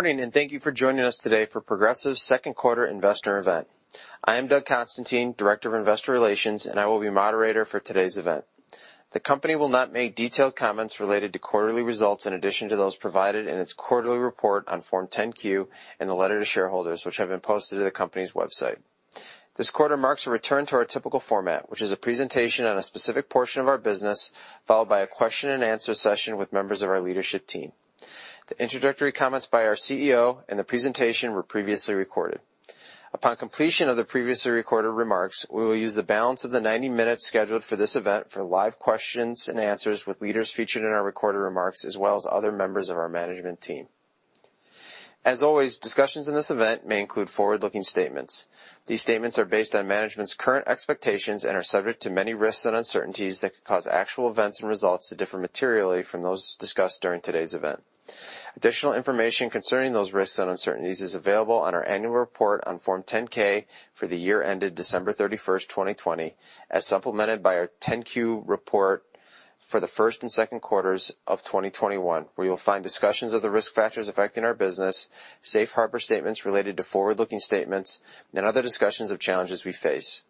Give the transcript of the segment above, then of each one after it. Morning, thank you for joining us today for Progressive's second quarter investor event. I am Doug Constantine, Director of Investor Relations, and I will be moderator for today's event. The company will not make detailed comments related to quarterly results in addition to those provided in its quarterly report on Form 10-Q and the letter to shareholders, which have been posted to the company's website. This quarter marks a return to our typical format, which is a presentation on a specific portion of our business, followed by a Q&A session with members of our leadership team. The introductory comments by our CEO and the presentation were previously recorded. Upon completion of the previously recorded remarks, we will use the balance of the 90 minutes scheduled for this event for live Q&A with leaders featured in our recorded remarks, as well as other members of our management team. As always, discussions in this event may include forward-looking statements. These statements are based on management's current expectations and are subject to many risks and uncertainties that could cause actual events and results to differ materially from those discussed during today's event. Additional information concerning those risks and uncertainties is available on our annual report on Form 10-K for the year ended December 31st, 2020, as supplemented by our 10-Q report for the first and second quarters of 2021, where you'll find discussions of the risk factors affecting our business, safe harbor statements related to forward-looking statements, and other discussions of challenges we face.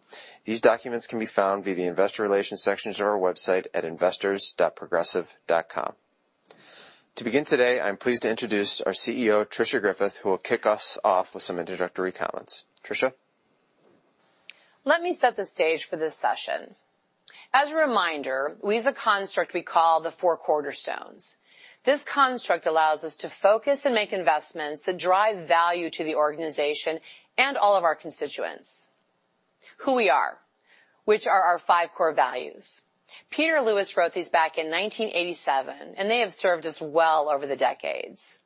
These documents can be found via the investor relations sections of our website at investors.progressive.com. To begin today, I'm pleased to introduce our CEO, Tricia Griffith, who will kick us off with some introductory comments. Tricia? Let me set the stage for this session. As a reminder, we use a construct we call the four cornerstones. This construct allows us to focus and make investments that drive value to the organization and all of our constituents. Who we are, which are our five core values. Peter Lewis wrote these back in 1987, and they have served us well over the decades.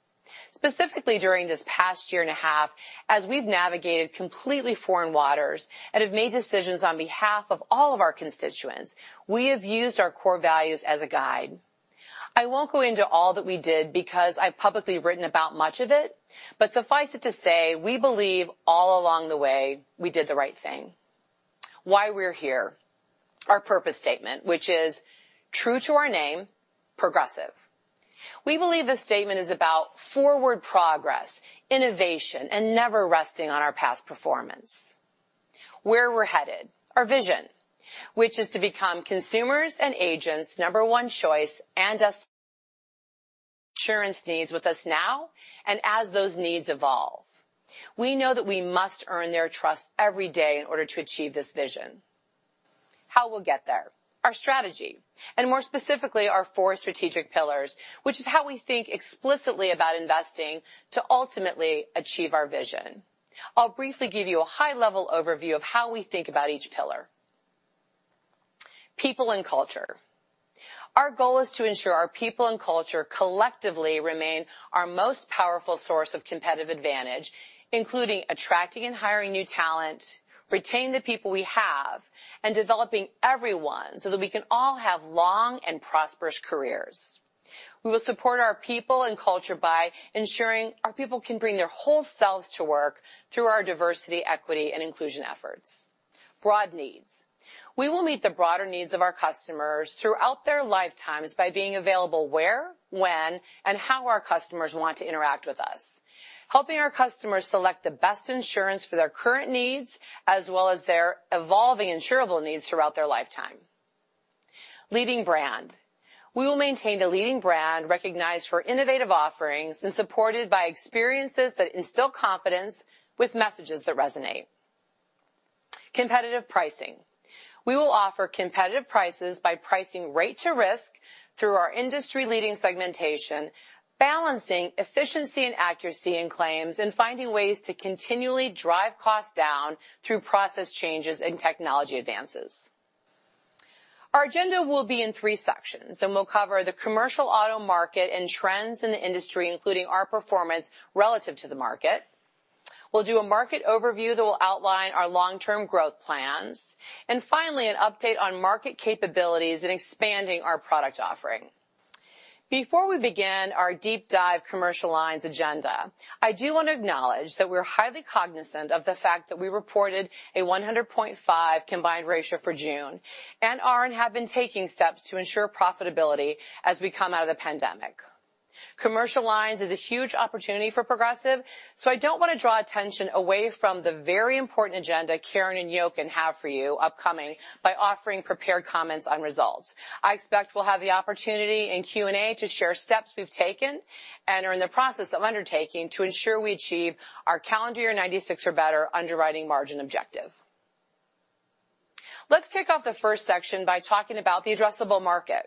Specifically, during this past year and a half, as we've navigated completely foreign waters and have made decisions on behalf of all of our constituents, we have used our core values as a guide. I won't go into all that we did because I've publicly written about much of it, but suffice it to say, we believe all along the way we did the right thing. Why we're here, our purpose statement, which is true to our name, Progressive. We believe this statement is about forward progress, innovation, and never resting on our past performance. Where we're headed, our vision, which is to become consumers' and agents' number one choice and insurance needs with us now, and as those needs evolve. We know that we must earn their trust every day in order to achieve this vision. How we'll get there, our strategy, and more specifically, our four strategic pillars, which is how we think explicitly about investing to ultimately achieve our vision. I'll briefly give you a high-level overview of how we think about each pillar. People and culture. Our goal is to ensure our people and culture collectively remain our most powerful source of competitive advantage, including attracting and hiring new talent, retaining the people we have, and developing everyone so that we can all have long and prosperous careers. We will support our people and culture by ensuring our people can bring their whole selves to work through our diversity, equity, and inclusion efforts. Broad needs. We will meet the broader needs of our customers throughout their lifetimes by being available where, when, and how our customers want to interact with us, helping our customers select the best insurance for their current needs as well as their evolving insurable needs throughout their lifetime. Leading brand. We will maintain a leading brand recognized for innovative offerings and supported by experiences that instill confidence with messages that resonate. Competitive pricing. We will offer competitive prices by pricing rate to risk through our industry-leading segmentation, balancing efficiency and accuracy in claims, and finding ways to continually drive costs down through process changes and technology advances. Our agenda will be in three sections. We'll cover the commercial auto market and trends in the industry, including our performance relative to the market. We'll do a market overview that will outline our long-term growth plans. Finally, an update on market capabilities and expanding our product offering. Before we begin our deep dive Commercial Lines agenda, I do want to acknowledge that we're highly cognizant of the fact that we reported a 100.5 combined ratio for June and have been taking steps to ensure profitability as we come out of the pandemic. Commercial lines is a huge opportunity for Progressive, so I don't want to draw attention away from the very important agenda Karen and Jochen have for you upcoming by offering prepared comments on results. I expect we'll have the opportunity in Q&A to share steps we've taken and are in the process of undertaking to ensure we achieve our calendar year 96 or better underwriting margin objective. Let's kick off the first section by talking about the addressable market.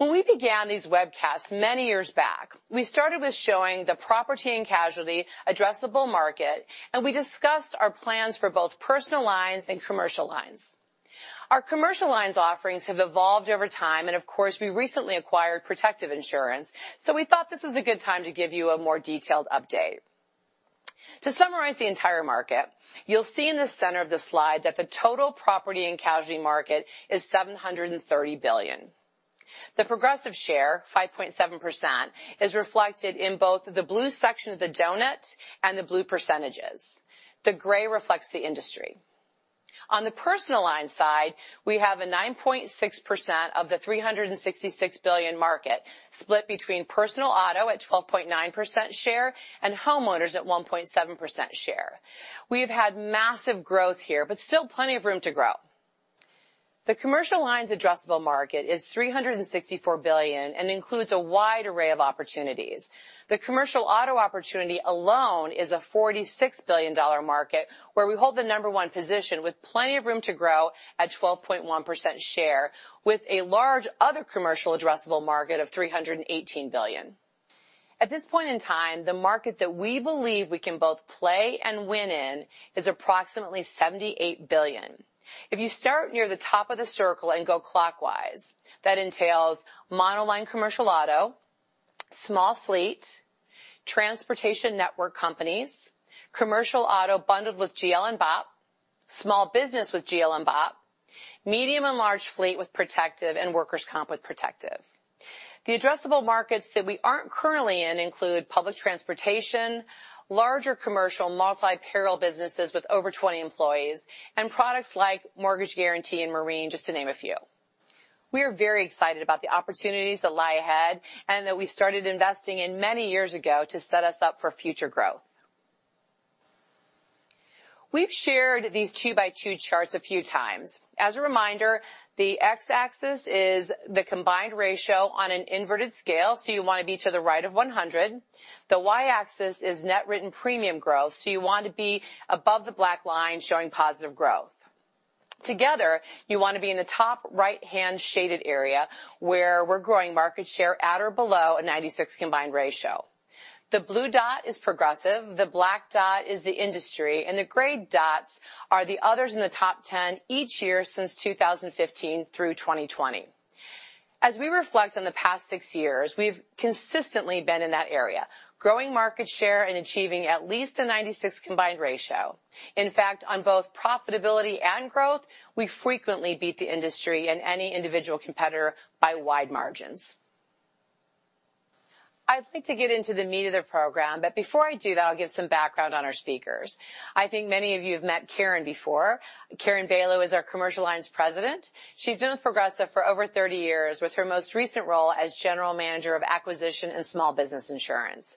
When we began these webcasts many years back, we started with showing the property and casualty addressable market, and we discussed our plans for both Personal Lines and Commercial Lines. Our Commercial Lines offerings have evolved over time, and of course, we recently acquired Protective Insurance, so we thought this was a good time to give you a more detailed update. To summarize the entire market, you'll see in the center of the slide that the total property and casualty market is $730 billion. The Progressive share, 5.7%, is reflected in both the blue section of the donut and the blue percentages. The gray reflects the industry. On the Personal Lines side, we have a 9.6% of the $366 billion market split between personal auto at 12.9% share and homeowners at 1.7% share. We've had massive growth here, but still plenty of room to grow. The Commercial Lines addressable market is $364 billion and includes a wide array of opportunities. The commercial auto opportunity alone is a $46 billion market where we hold the number one position with plenty of room to grow at 12.1% share, with a large other commercial addressable market of $318 billion. At this point in time, the market that we believe we can both play and win in is approximately $78 billion. If you start near the top of the circle and go clockwise, that entails monoline commercial auto, small fleet, transportation network companies, commercial auto bundled with GL and BOP, small business with GL and BOP, medium and large fleet with Protective and workers' comp with Protective. The addressable markets that we aren't currently in include public transportation, larger commercial multi-peril businesses with over 20 employees, and products like mortgage guarantee and marine, just to name a few. We are very excited about the opportunities that lie ahead and that we started investing in many years ago to set us up for future growth. We've shared these two-by-two charts a few times. As a reminder, the x-axis is the combined ratio on an inverted scale, so you want to be to the right of 100. The y-axis is net written premium growth. You want to be above the black line, showing positive growth. Together, you want to be in the top right-hand shaded area where we're growing market share at or below a 96 combined ratio. The blue dot is Progressive, the black dot is the industry, and the gray dots are the others in the top 10 each year since 2015 through 2020. As we reflect on the past six years, we've consistently been in that area, growing market share and achieving at least a 96 combined ratio. In fact, on both profitability and growth, we frequently beat the industry and any individual competitor by wide margins. I'd like to get into the meat of the program. Before I do that, I'll give some background on our speakers. I think many of you have met Karen before. Karen Bailo is our Commercial Lines President. She's been with Progressive for over 30 years, with her most recent role as General Manager of Acquisition and Small Business Insurance.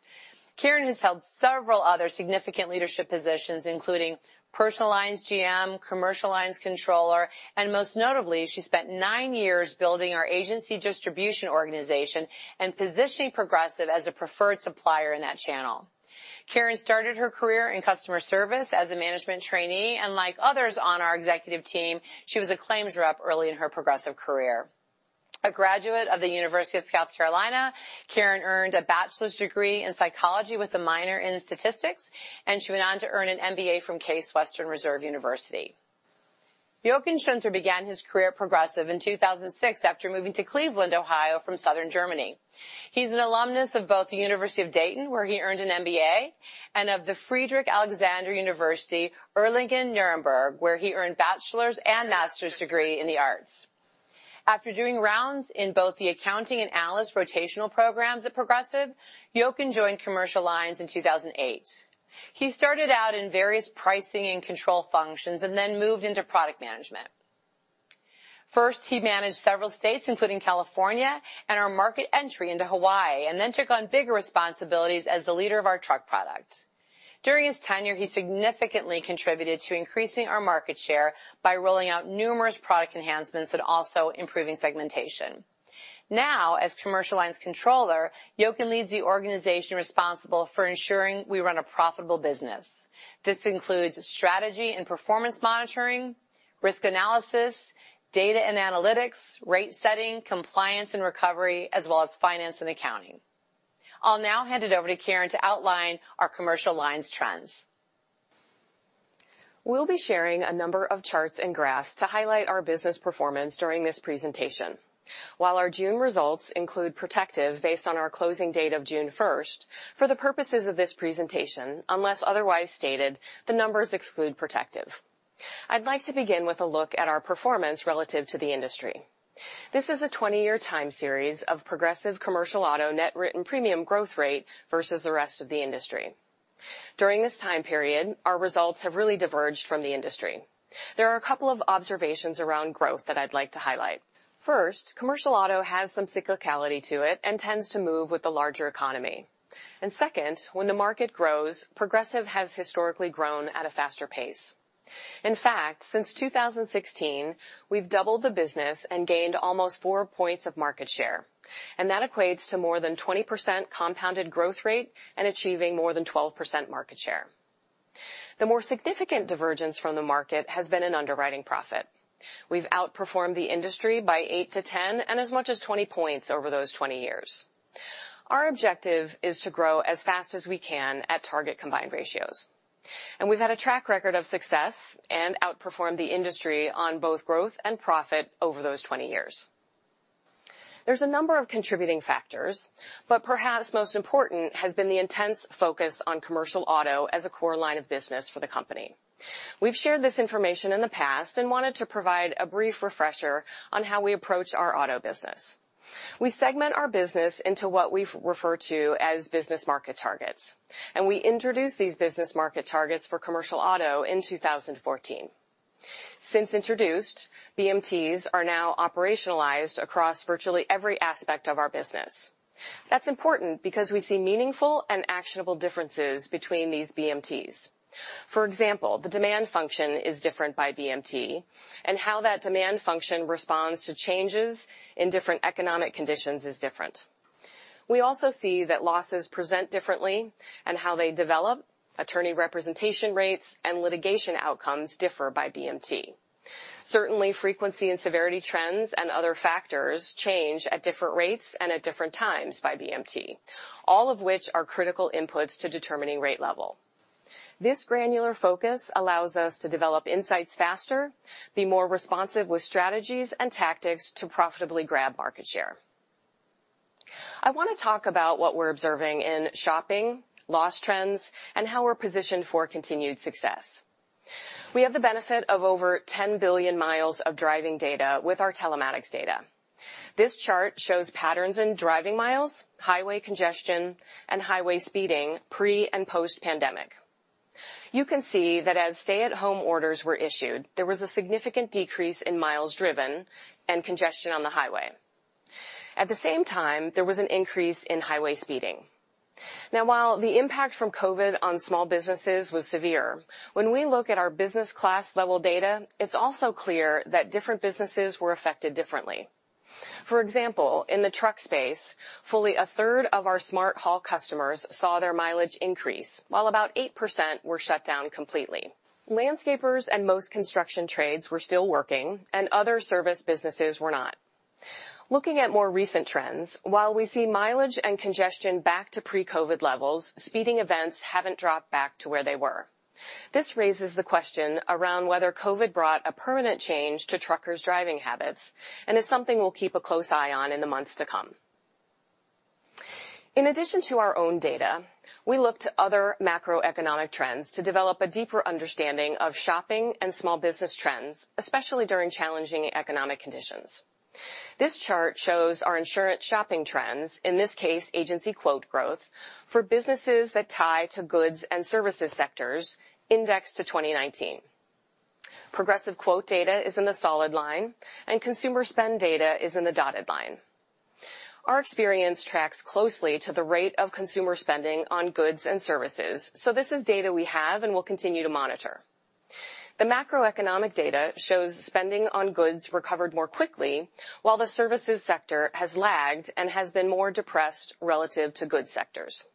Karen has held several other significant leadership positions, including Personal Lines GM, Commercial Lines Controller, and most notably, she spent nine years building our agency distribution organization and positioning Progressive as a preferred supplier in that channel. Karen started her career in customer service as a management trainee, and like others on our executive team, she was a claims rep early in her Progressive career. A graduate of the University of South Carolina, Karen earned a bachelor's degree in psychology with a minor in statistics, and she went on to earn an MBA from Case Western Reserve University. Jochen Schunter began his career at Progressive in 2006 after moving to Cleveland, Ohio, from Southern Germany. He's an alumnus of both the University of Dayton, where he earned an MBA, and of the Friedrich-Alexander University Erlangen-Nuremberg, where he earned bachelor's and master's degree in the arts. After doing rounds in both the accounting and analyst rotational programs at Progressive, Jochen joined Commercial Lines in 2008. He started out in various pricing and control functions and then moved into product management. First, he managed several states, including California and our market entry into Hawaii, and then took on bigger responsibilities as the leader of our truck product. During his tenure, he significantly contributed to increasing our market share by rolling out numerous product enhancements and also improving segmentation. Now, as Commercial Lines Controller, Jochen leads the organization responsible for ensuring we run a profitable business. This includes strategy and performance monitoring, risk analysis, data and analytics, rate setting, compliance and recovery, as well as finance and accounting. I'll now hand it over to Karen to outline our commercial lines trends. We'll be sharing a number of charts and graphs to highlight our business performance during this presentation. While our June results include Protective based on our closing date of June 1st, for the purposes of this presentation, unless otherwise stated, the numbers exclude Protective. I'd like to begin with a look at our performance relative to the industry. This is a 20-year time series of Progressive commercial auto net written premium growth rate versus the rest of the industry. During this time period, our results have really diverged from the industry. There are a couple of observations around growth that I'd like to highlight. First, commercial auto has some cyclicality to it and tends to move with the larger economy. Second, when the market grows, Progressive has historically grown at a faster pace. In fact, since 2016, we've doubled the business and gained almost four points of market share. That equates to more than 20% compounded growth rate and achieving more than 12% market share. The more significant divergence from the market has been in underwriting profit. We've outperformed the industry by 8-10 and as much as 20 points over those 20 years. Our objective is to grow as fast as we can at target combined ratios. We've had a track record of success and outperformed the industry on both growth and profit over those 20 years. There's a number of contributing factors, but perhaps most important has been the intense focus on commercial auto as a core line of business for the company. We've shared this information in the past and wanted to provide a brief refresher on how we approach our auto business. We segment our business into what we refer to as business market targets. We introduced these business market targets for commercial auto in 2014. Since introduced, BMTs are now operationalized across virtually every aspect of our business. That's important because we see meaningful and actionable differences between these BMTs. For example, the demand function is different by BMT. How that demand function responds to changes in different economic conditions is different. We also see that losses present differently. How they develop, attorney representation rates, and litigation outcomes differ by BMT. Certainly, frequency and severity trends and other factors change at different rates and at different times by BMT, all of which are critical inputs to determining rate level. This granular focus allows us to develop insights faster, be more responsive with strategies and tactics to profitably grab market share. I want to talk about what we're observing in shopping, loss trends, and how we're positioned for continued success. We have the benefit of over 10 billion miles of driving data with our telematics data. This chart shows patterns in driving miles, highway congestion, and highway speeding pre and post-pandemic. You can see that as stay-at-home orders were issued, there was a significant decrease in miles driven and congestion on the highway. At the same time, there was an increase in highway speeding. While the impact from COVID on small businesses was severe, when we look at our business class level data, it's also clear that different businesses were affected differently. For example, in the truck space, fully a third of our Smart Haul customers saw their mileage increase, while about 8% were shut down completely. Landscapers and most construction trades were still working, and other service businesses were not. Looking at more recent trends, while we see mileage and congestion back to pre-COVID levels, speeding events haven't dropped back to where they were. This raises the question around whether COVID brought a permanent change to truckers' driving habits and is something we'll keep a close eye on in the months to come. In addition to our own data, we look to other macroeconomic trends to develop a deeper understanding of shopping and small business trends, especially during challenging economic conditions. This chart shows our insurance shopping trends, in this case, agency quote growth, for businesses that tie to goods and services sectors indexed to 2019. Progressive quote data is in the solid line, and consumer spend data is in the dotted line. Our experience tracks closely to the rate of consumer spending on goods and services. This is data we have and will continue to monitor. The macroeconomic data shows spending on goods recovered more quickly, while the services sector has lagged and has been more depressed relative to goods sectors.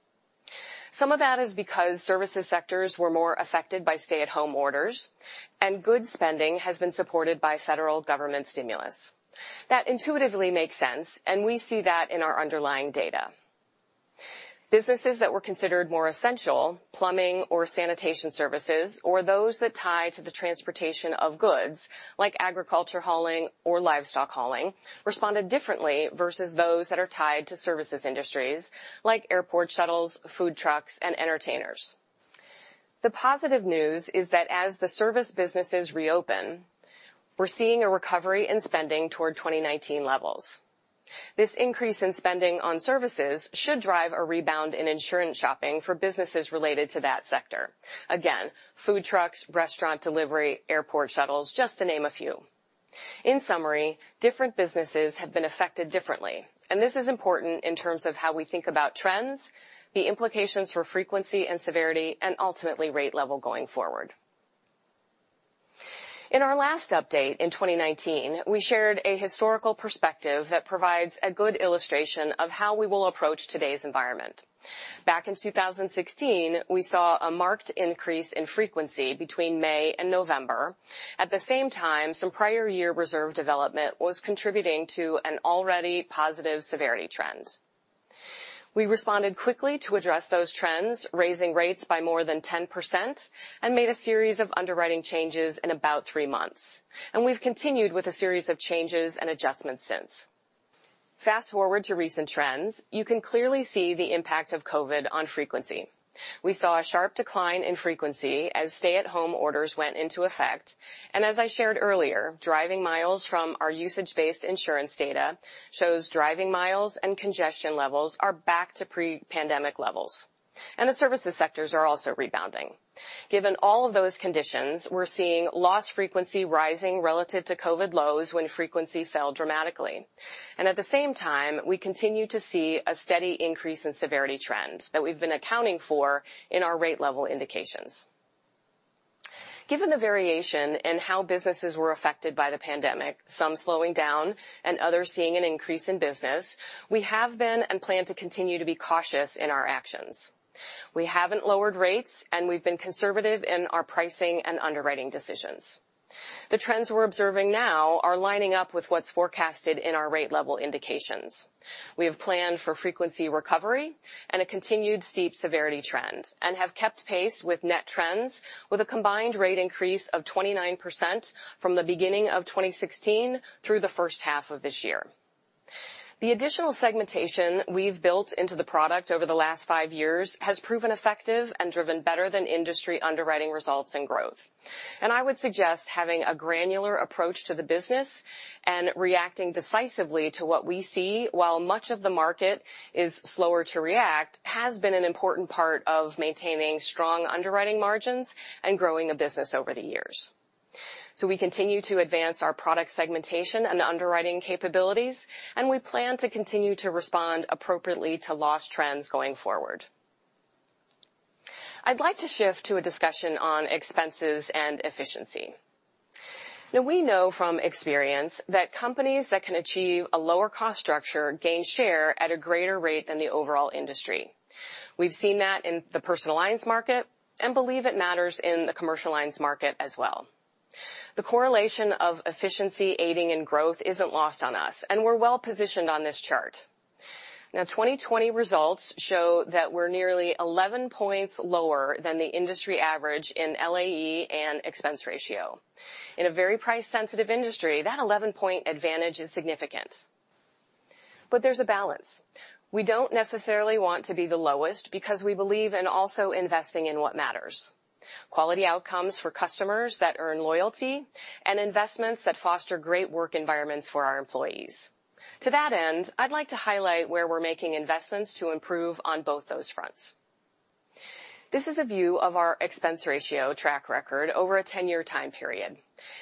Some of that is because services sectors were more affected by stay-at-home orders, and goods spending has been supported by federal government stimulus. That intuitively makes sense, and we see that in our underlying data. Businesses that were considered more essential, plumbing or sanitation services, or those that tie to the transportation of goods like agriculture hauling or livestock hauling, responded differently versus those that are tied to services industries like airport shuttles, food trucks, and entertainers. The positive news is that as the service businesses reopen, we're seeing a recovery in spending toward 2019 levels. This increase in spending on services should drive a rebound in insurance shopping for businesses related to that sector. Again, food trucks, restaurant delivery, airport shuttles, just to name a few. In summary, different businesses have been affected differently, and this is important in terms of how we think about trends, the implications for frequency and severity, and ultimately, rate level going forward. In our last update in 2019, we shared a historical perspective that provides a good illustration of how we will approach today's environment. Back in 2016, we saw a marked increase in frequency between May and November. At the same time, some prior year reserve development was contributing to an already positive severity trend. We responded quickly to address those trends, raising rates by more than 10%, and made a series of underwriting changes in about three months. We've continued with a series of changes and adjustments since. Fast-forward to recent trends, you can clearly see the impact of COVID on frequency. We saw a sharp decline in frequency as stay-at-home orders went into effect, and as I shared earlier, driving miles from our usage-based insurance data shows driving miles and congestion levels are back to pre-pandemic levels, and the services sectors are also rebounding. Given all of those conditions, we're seeing loss frequency rising relative to COVID lows when frequency fell dramatically. At the same time, we continue to see a steady increase in severity trends that we've been accounting for in our rate level indications. Given the variation in how businesses were affected by the pandemic, some slowing down and others seeing an increase in business, we have been and plan to continue to be cautious in our actions. We haven't lowered rates, and we've been conservative in our pricing and underwriting decisions. The trends we're observing now are lining up with what's forecasted in our rate level indications. We have planned for frequency recovery and a continued steep severity trend and have kept pace with net trends with a combined rate increase of 29% from the beginning of 2016 through the first half of this year. The additional segmentation we've built into the product over the last five years has proven effective and driven better-than-industry underwriting results and growth. I would suggest having a granular approach to the business and reacting decisively to what we see, while much of the market is slower to react, has been an important part of maintaining strong underwriting margins and growing the business over the years. We continue to advance our product segmentation and underwriting capabilities, and we plan to continue to respond appropriately to loss trends going forward. I'd like to shift to a discussion on expenses and efficiency. We know from experience that companies that can achieve a lower cost structure gain share at a greater rate than the overall industry. We've seen that in the Personal Lines market and believe it matters in the Commercial Lines market as well. The correlation of efficiency aiding in growth isn't lost on us, and we're well-positioned on this chart. 2020 results show that we're nearly 11 points lower than the industry average in LAE and expense ratio. In a very price-sensitive industry, that 11-point advantage is significant. There's a balance. We don't necessarily want to be the lowest because we believe in also investing in what matters, quality outcomes for customers that earn loyalty and investments that foster great work environments for our employees. To that end, I'd like to highlight where we're making investments to improve on both those fronts. This is a view of our expense ratio track record over a 10-year time period,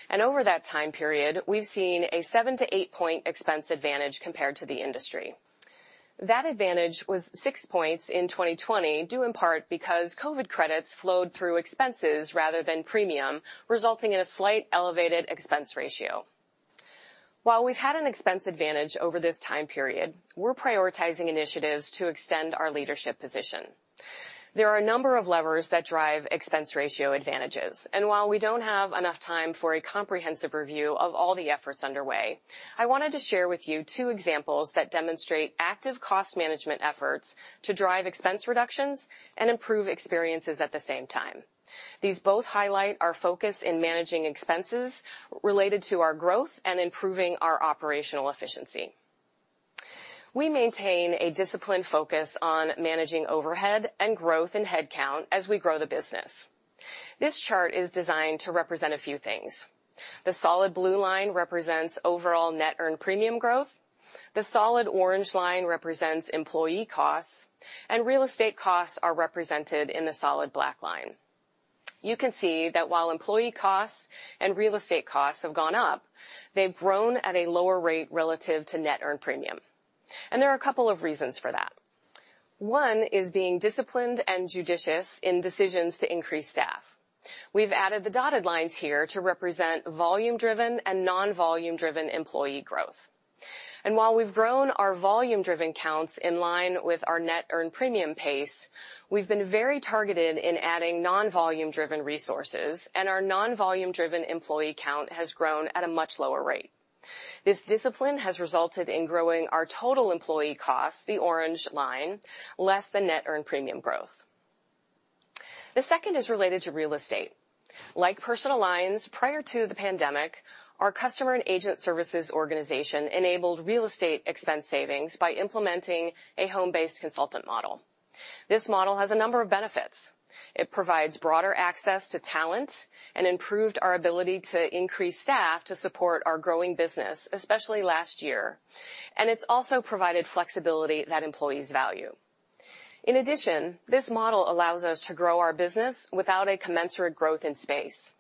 and over that time period, we've seen a seven to eight-point expense advantage compared to the industry. That advantage was six points in 2020, due in part because COVID credits flowed through expenses rather than premium, resulting in a slight elevated expense ratio. While we've had an expense advantage over this time period, we're prioritizing initiatives to extend our leadership position. There are a number of levers that drive expense ratio advantages, while we don't have enough time for a comprehensive review of all the efforts underway, I wanted to share with you two examples that demonstrate active cost management efforts to drive expense reductions and improve experiences at the same time. These both highlight our focus in managing expenses related to our growth and improving our operational efficiency. We maintain a disciplined focus on managing overhead and growth in headcount as we grow the business. This chart is designed to represent a few things. The solid blue line represents overall net earned premium growth, the solid orange line represents employee costs, Real estate costs are represented in the solid black line. You can see that while employee costs and real estate costs have gone up, they've grown at a lower rate relative to net earned premium. There are two reasons for that. One is being disciplined and judicious in decisions to increase staff. We've added the dotted lines here to represent volume-driven and non-volume-driven employee growth. While we've grown our volume-driven counts in line with our net earned premium pace, we've been very targeted in adding non-volume-driven resources, and our non-volume-driven employee count has grown at a much lower rate. This discipline has resulted in growing our total employee cost, the orange line, less than net earned premium growth. The second is related to real estate. Like Personal Lines, prior to the pandemic, our customer and agent services organization enabled real estate expense savings by implementing a home-based consultant model. This model has a number of benefits. It provides broader access to talent and improved our ability to increase staff to support our growing business, especially last year. It's also provided flexibility that employees value. In addition, this model allows us to grow our business without a commensurate growth in space.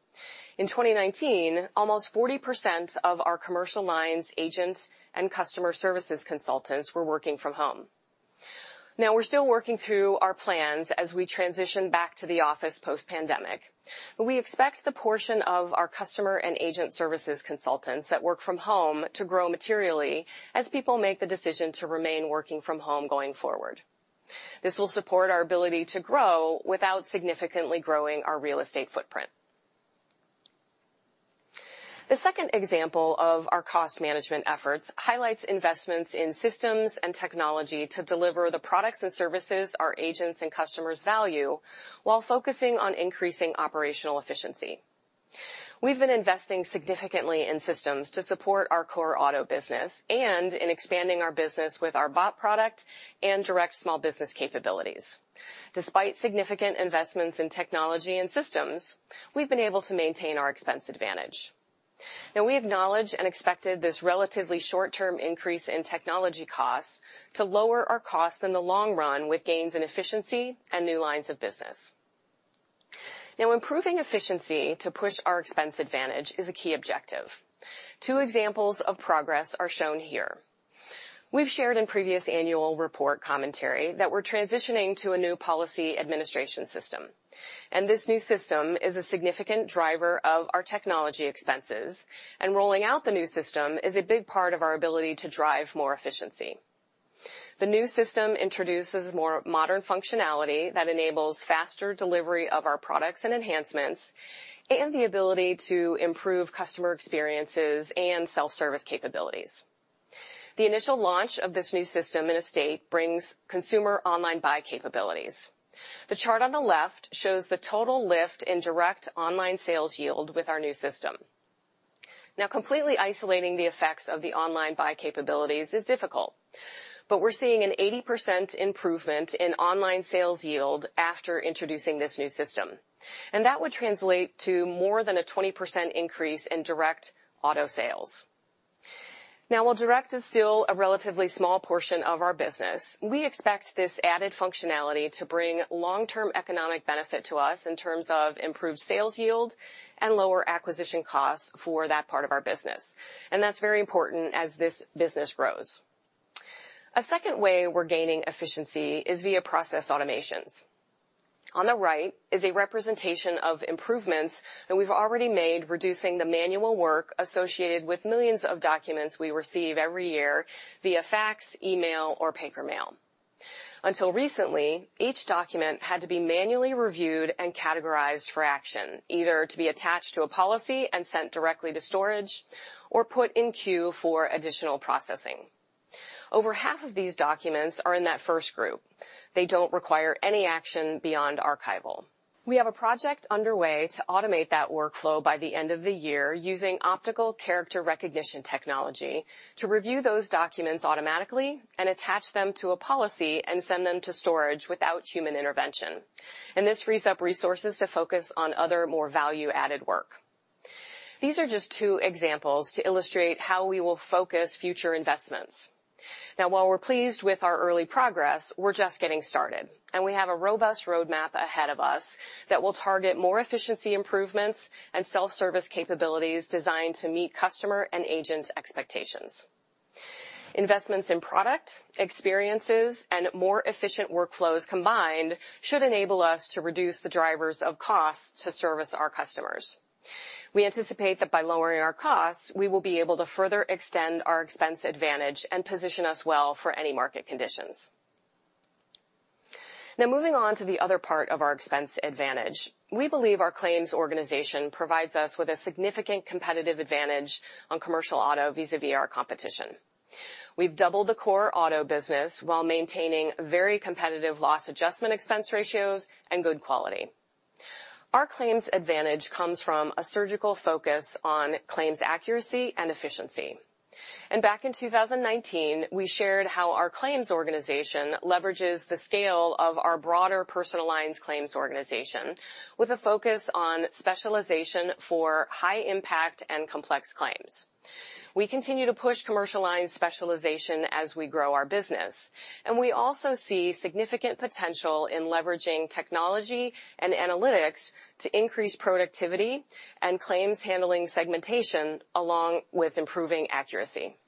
In 2019, almost 40% of our Commercial Lines agents and customer services consultants were working from home. We're still working through our plans as we transition back to the office post-pandemic, but we expect the portion of our customer and agent services consultants that work from home to grow materially as people make the decision to remain working from home going forward. This will support our ability to grow without significantly growing our real estate footprint. The second example of our cost management efforts highlights investments in systems and technology to deliver the products and services our agents and customers value, while focusing on increasing operational efficiency. We've been investing significantly in systems to support our core auto business and in expanding our business with our BOP product and direct small business capabilities. Despite significant investments in technology and systems, we've been able to maintain our expense advantage. We acknowledge and expected this relatively short-term increase in technology costs to lower our costs in the long run with gains in efficiency and new lines of business. Improving efficiency to push our expense advantage is a key objective. Two examples of progress are shown here. We've shared in previous annual report commentary that we're transitioning to a new policy administration system. This new system is a significant driver of our technology expenses. Rolling out the new system is a big part of our ability to drive more efficiency. The new system introduces more modern functionality that enables faster delivery of our products and enhancements and the ability to improve customer experiences and self-service capabilities. The initial launch of this new system in a state brings consumer online buy capabilities. The chart on the left shows the total lift in direct online sales yield with our new system. Now, completely isolating the effects of the online buy capabilities is difficult, but we're seeing an 80% improvement in online sales yield after introducing this new system. That would translate to more than a 20% increase in direct auto sales. Now, while direct is still a relatively small portion of our business, we expect this added functionality to bring long-term economic benefit to us in terms of improved sales yield and lower acquisition costs for that part of our business. That's very important as this business grows. A second way we're gaining efficiency is via process automations. On the right is a representation of improvements that we've already made, reducing the manual work associated with millions of documents we receive every year via fax, email, or paper mail. Until recently, each document had to be manually reviewed and categorized for action, either to be attached to a policy and sent directly to storage or put in queue for additional processing. Over half of these documents are in that first group. They don't require any action beyond archival. We have a project underway to automate that workflow by the end of the year, using optical character recognition technology to review those documents automatically and attach them to a policy and send them to storage without human intervention. This frees up resources to focus on other, more value-added work. These are just two examples to illustrate how we will focus future investments. Now, while we're pleased with our early progress, we're just getting started, and we have a robust roadmap ahead of us that will target more efficiency improvements and self-service capabilities designed to meet customer and agent expectations. Investments in product, experiences, and more efficient workflows combined should enable us to reduce the drivers of cost to service our customers. We anticipate that by lowering our costs, we will be able to further extend our expense advantage and position us well for any market conditions. Moving on to the other part of our expense advantage. We believe our claims organization provides us with a significant competitive advantage on commercial auto vis-a-vis our competition. We've doubled the core auto business while maintaining very competitive loss adjustment expense ratios and good quality. Our claims advantage comes from a surgical focus on claims accuracy and efficiency. Back in 2019, we shared how our claims organization leverages the scale of our broader Personal Lines claims organization with a focus on specialization for high-impact and complex claims. We continue to push Commercial Lines specialization as we grow our business, we also see significant potential in leveraging technology and analytics to increase productivity and claims handling segmentation along with improving accuracy.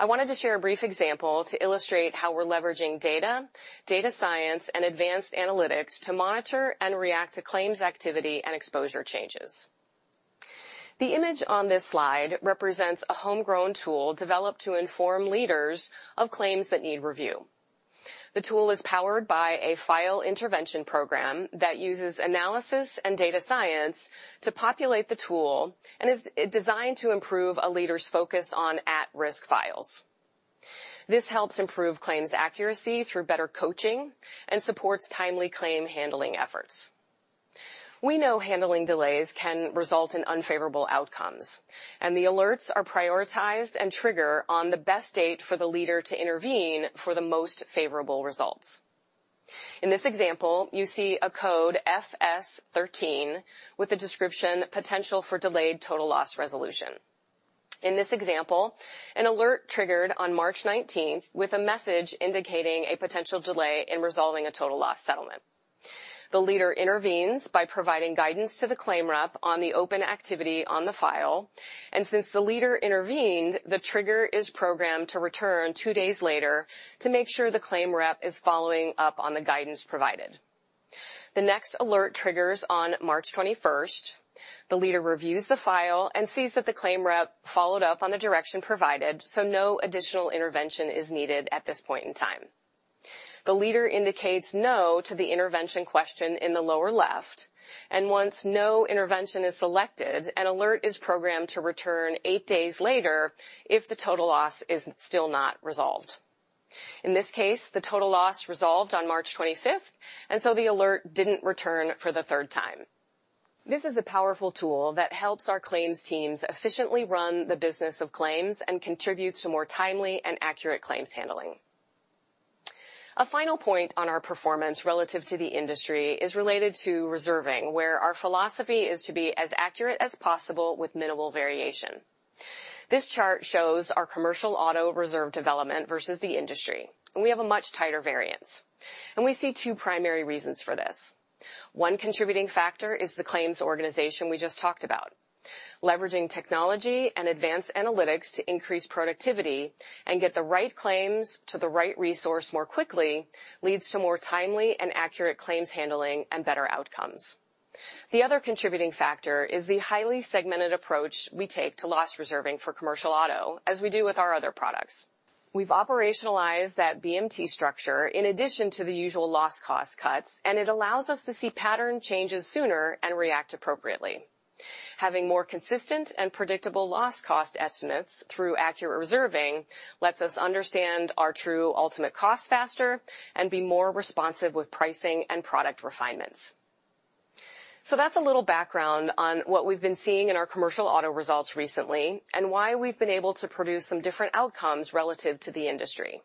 I wanted to share a brief example to illustrate how we're leveraging data science, and advanced analytics to monitor and react to claims activity and exposure changes. The image on this slide represents a homegrown tool developed to inform leaders of claims that need review. The tool is powered by a file intervention program that uses analysis and data science to populate the tool and is designed to improve a leader's focus on at-risk files. This helps improve claims accuracy through better coaching and supports timely claim handling efforts. We know handling delays can result in unfavorable outcomes, and the alerts are prioritized and trigger on the best date for the leader to intervene for the most favorable results. In this example, you see a code FS13 with a description, "Potential for delayed total loss resolution." In this example, an alert triggered on March 19th with a message indicating a potential delay in resolving a total loss settlement. The leader intervenes by providing guidance to the claim rep on the open activity on the file, and since the leader intervened, the trigger is programmed to return two days later to make sure the claim rep is following up on the guidance provided. The next alert triggers on March 21st. The leader reviews the file and sees that the claim rep followed up on the direction provided, so no additional intervention is needed at this point in time. The leader indicates no to the intervention question in the lower left, and once no intervention is selected, an alert is programmed to return eight days later if the total loss is still not resolved. In this case, the total loss resolved on March 25th, and so the alert didn't return for the third time. This is a powerful tool that helps our claims teams efficiently run the business of claims and contributes to more timely and accurate claims handling. A final point on our performance relative to the industry is related to reserving, where our philosophy is to be as accurate as possible with minimal variation. This chart shows our commercial auto reserve development versus the industry. We have a much tighter variance, and we see two primary reasons for this. One contributing factor is the claims organization we just talked about. Leveraging technology and advanced analytics to increase productivity and get the right claims to the right resource more quickly leads to more timely and accurate claims handling and better outcomes. The other contributing factor is the highly segmented approach we take to loss reserving for commercial auto, as we do with our other products. We've operationalized that BMT structure in addition to the usual loss cost cuts. It allows us to see pattern changes sooner and react appropriately. Having more consistent and predictable loss cost estimates through accurate reserving lets us understand our true ultimate cost faster and be more responsive with pricing and product refinements. That's a little background on what we've been seeing in our commercial auto results recently and why we've been able to produce some different outcomes relative to the industry.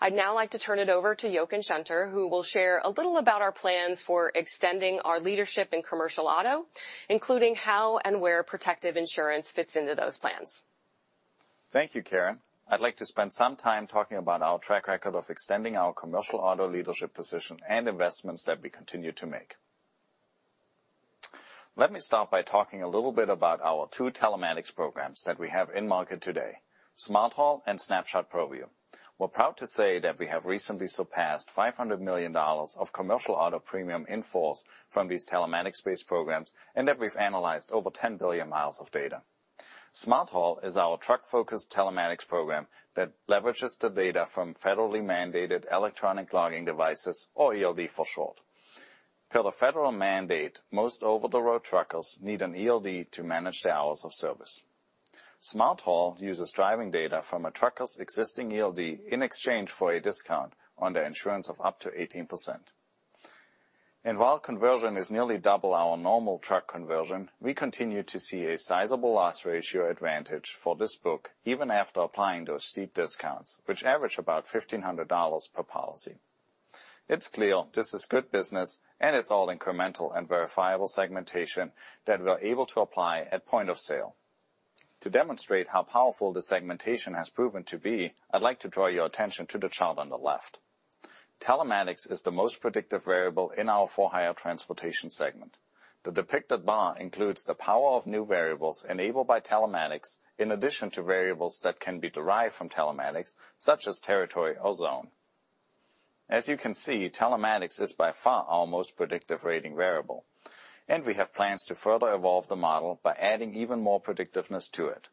I'd now like to turn it over to Jochen Schunter, who will share a little about our plans for extending our leadership in commercial auto, including how and where Protective Insurance fits into those plans. Thank you, Karen. I'd like to spend some time talking about our track record of extending our commercial auto leadership position and investments that we continue to make. Let me start by talking a little bit about our two telematics programs that we have in market today, Smart Haul and Snapshot ProView. We're proud to say that we have recently surpassed $500 million of commercial auto premium in force from these telematics-based programs, and that we've analyzed over 10 billion miles of data. Smart Haul is our truck-focused telematics program that leverages the data from federally mandated electronic logging devices, or ELD for short. Per the federal mandate, most over-the-road truckers need an ELD to manage their hours of service. Smart Haul uses driving data from a trucker's existing ELD in exchange for a discount on their insurance of up to 18%. While conversion is nearly double our normal truck conversion, we continue to see a sizable loss ratio advantage for this book, even after applying those steep discounts, which average about $1,500 per policy. It's clear this is good business and it's all incremental and verifiable segmentation that we are able to apply at point of sale. To demonstrate how powerful the segmentation has proven to be, I'd like to draw your attention to the chart on the left. Telematics is the most predictive variable in our for-hire transportation segment. The depicted bar includes the power of new variables enabled by telematics, in addition to variables that can be derived from telematics, such as territory or zone. As you can see, telematics is by far our most predictive rating variable. We have plans to further evolve the model by adding even more predictiveness to it.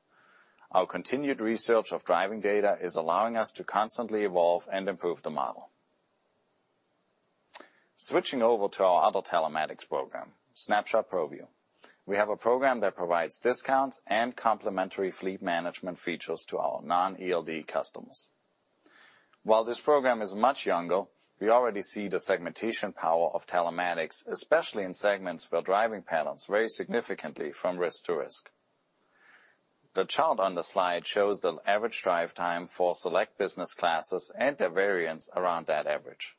Our continued research of driving data is allowing us to constantly evolve and improve the model. Switching over to our other telematics program, Snapshot ProView. We have a program that provides discounts and complementary fleet management features to our non-ELD customers. While this program is much younger, we already see the segmentation power of telematics, especially in segments where driving patterns vary significantly from risk to risk. The chart on the slide shows the average drive time for select business classes and their variance around that average.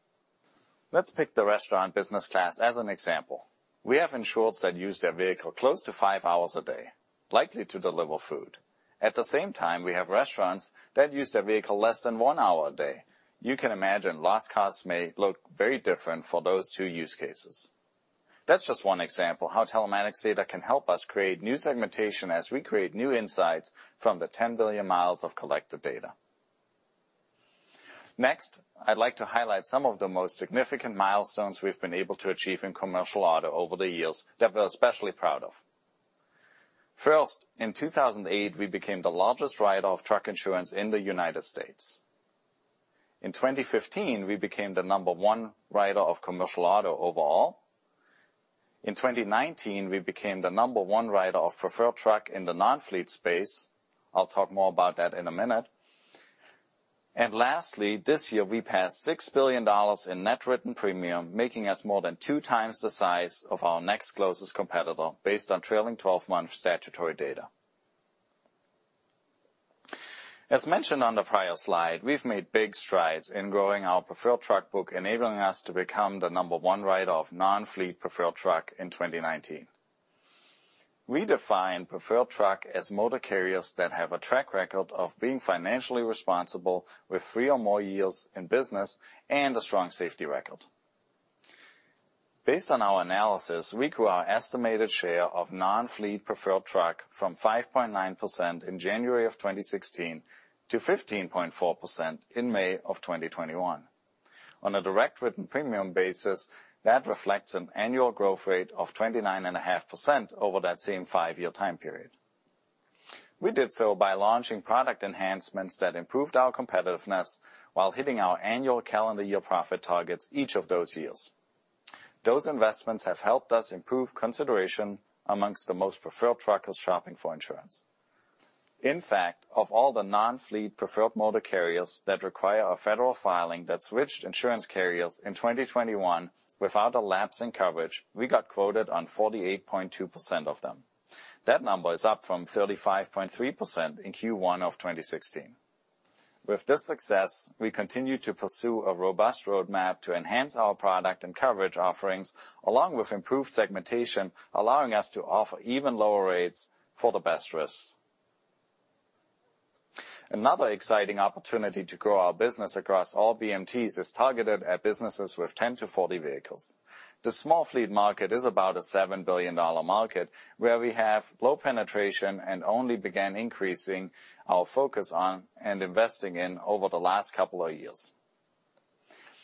Let's pick the restaurant business class as an example. We have insureds that use their vehicle close to five hours a day, likely to deliver food. At the same time, we have restaurants that use their vehicle less than one hour a day. You can imagine loss costs may look very different for those two use cases. That's just one example how telematics data can help us create new segmentation as we create new insights from the 10 billion miles of collected data. I'd like to highlight some of the most significant milestones we've been able to achieve in commercial auto over the years that we're especially proud of. In 2008, we became the largest writer of truck insurance in the U.S. In 2015, we became the number one writer of commercial auto overall. In 2019, we became the number one writer of preferred truck in the non-fleet space. I'll talk more about that in a minute. Lastly, this year we passed $6 billion in net written premium, making us more than two times the size of our next closest competitor based on trailing 12-month statutory data. As mentioned on the prior slide, we've made big strides in growing our preferred truck book, enabling us to become the number one writer of non-fleet preferred truck in 2019. We define preferred truck as motor carriers that have a track record of being financially responsible with three or more years in business and a strong safety record. Based on our analysis, we grew our estimated share of non-fleet preferred truck from 5.9% in January of 2016 to 15.4% in May of 2021. On a direct written premium basis, that reflects an annual growth rate of 29.5% over that same five-year time period. We did so by launching product enhancements that improved our competitiveness while hitting our annual calendar year profit targets each of those years. Those investments have helped us improve consideration amongst the most preferred truckers shopping for insurance. In fact, of all the non-fleet preferred motor carriers that require a federal filing that switched insurance carriers in 2021 without a lapse in coverage, we got quoted on 48.2% of them. That number is up from 35.3% in Q1 of 2016. With this success, we continue to pursue a robust roadmap to enhance our product and coverage offerings, along with improved segmentation, allowing us to offer even lower rates for the best risks. Another exciting opportunity to grow our business across all BMTs is targeted at businesses with 10-40 vehicles. The small fleet market is about a $7 billion market, where we have low penetration and only began increasing our focus on and investing in over the last couple of years.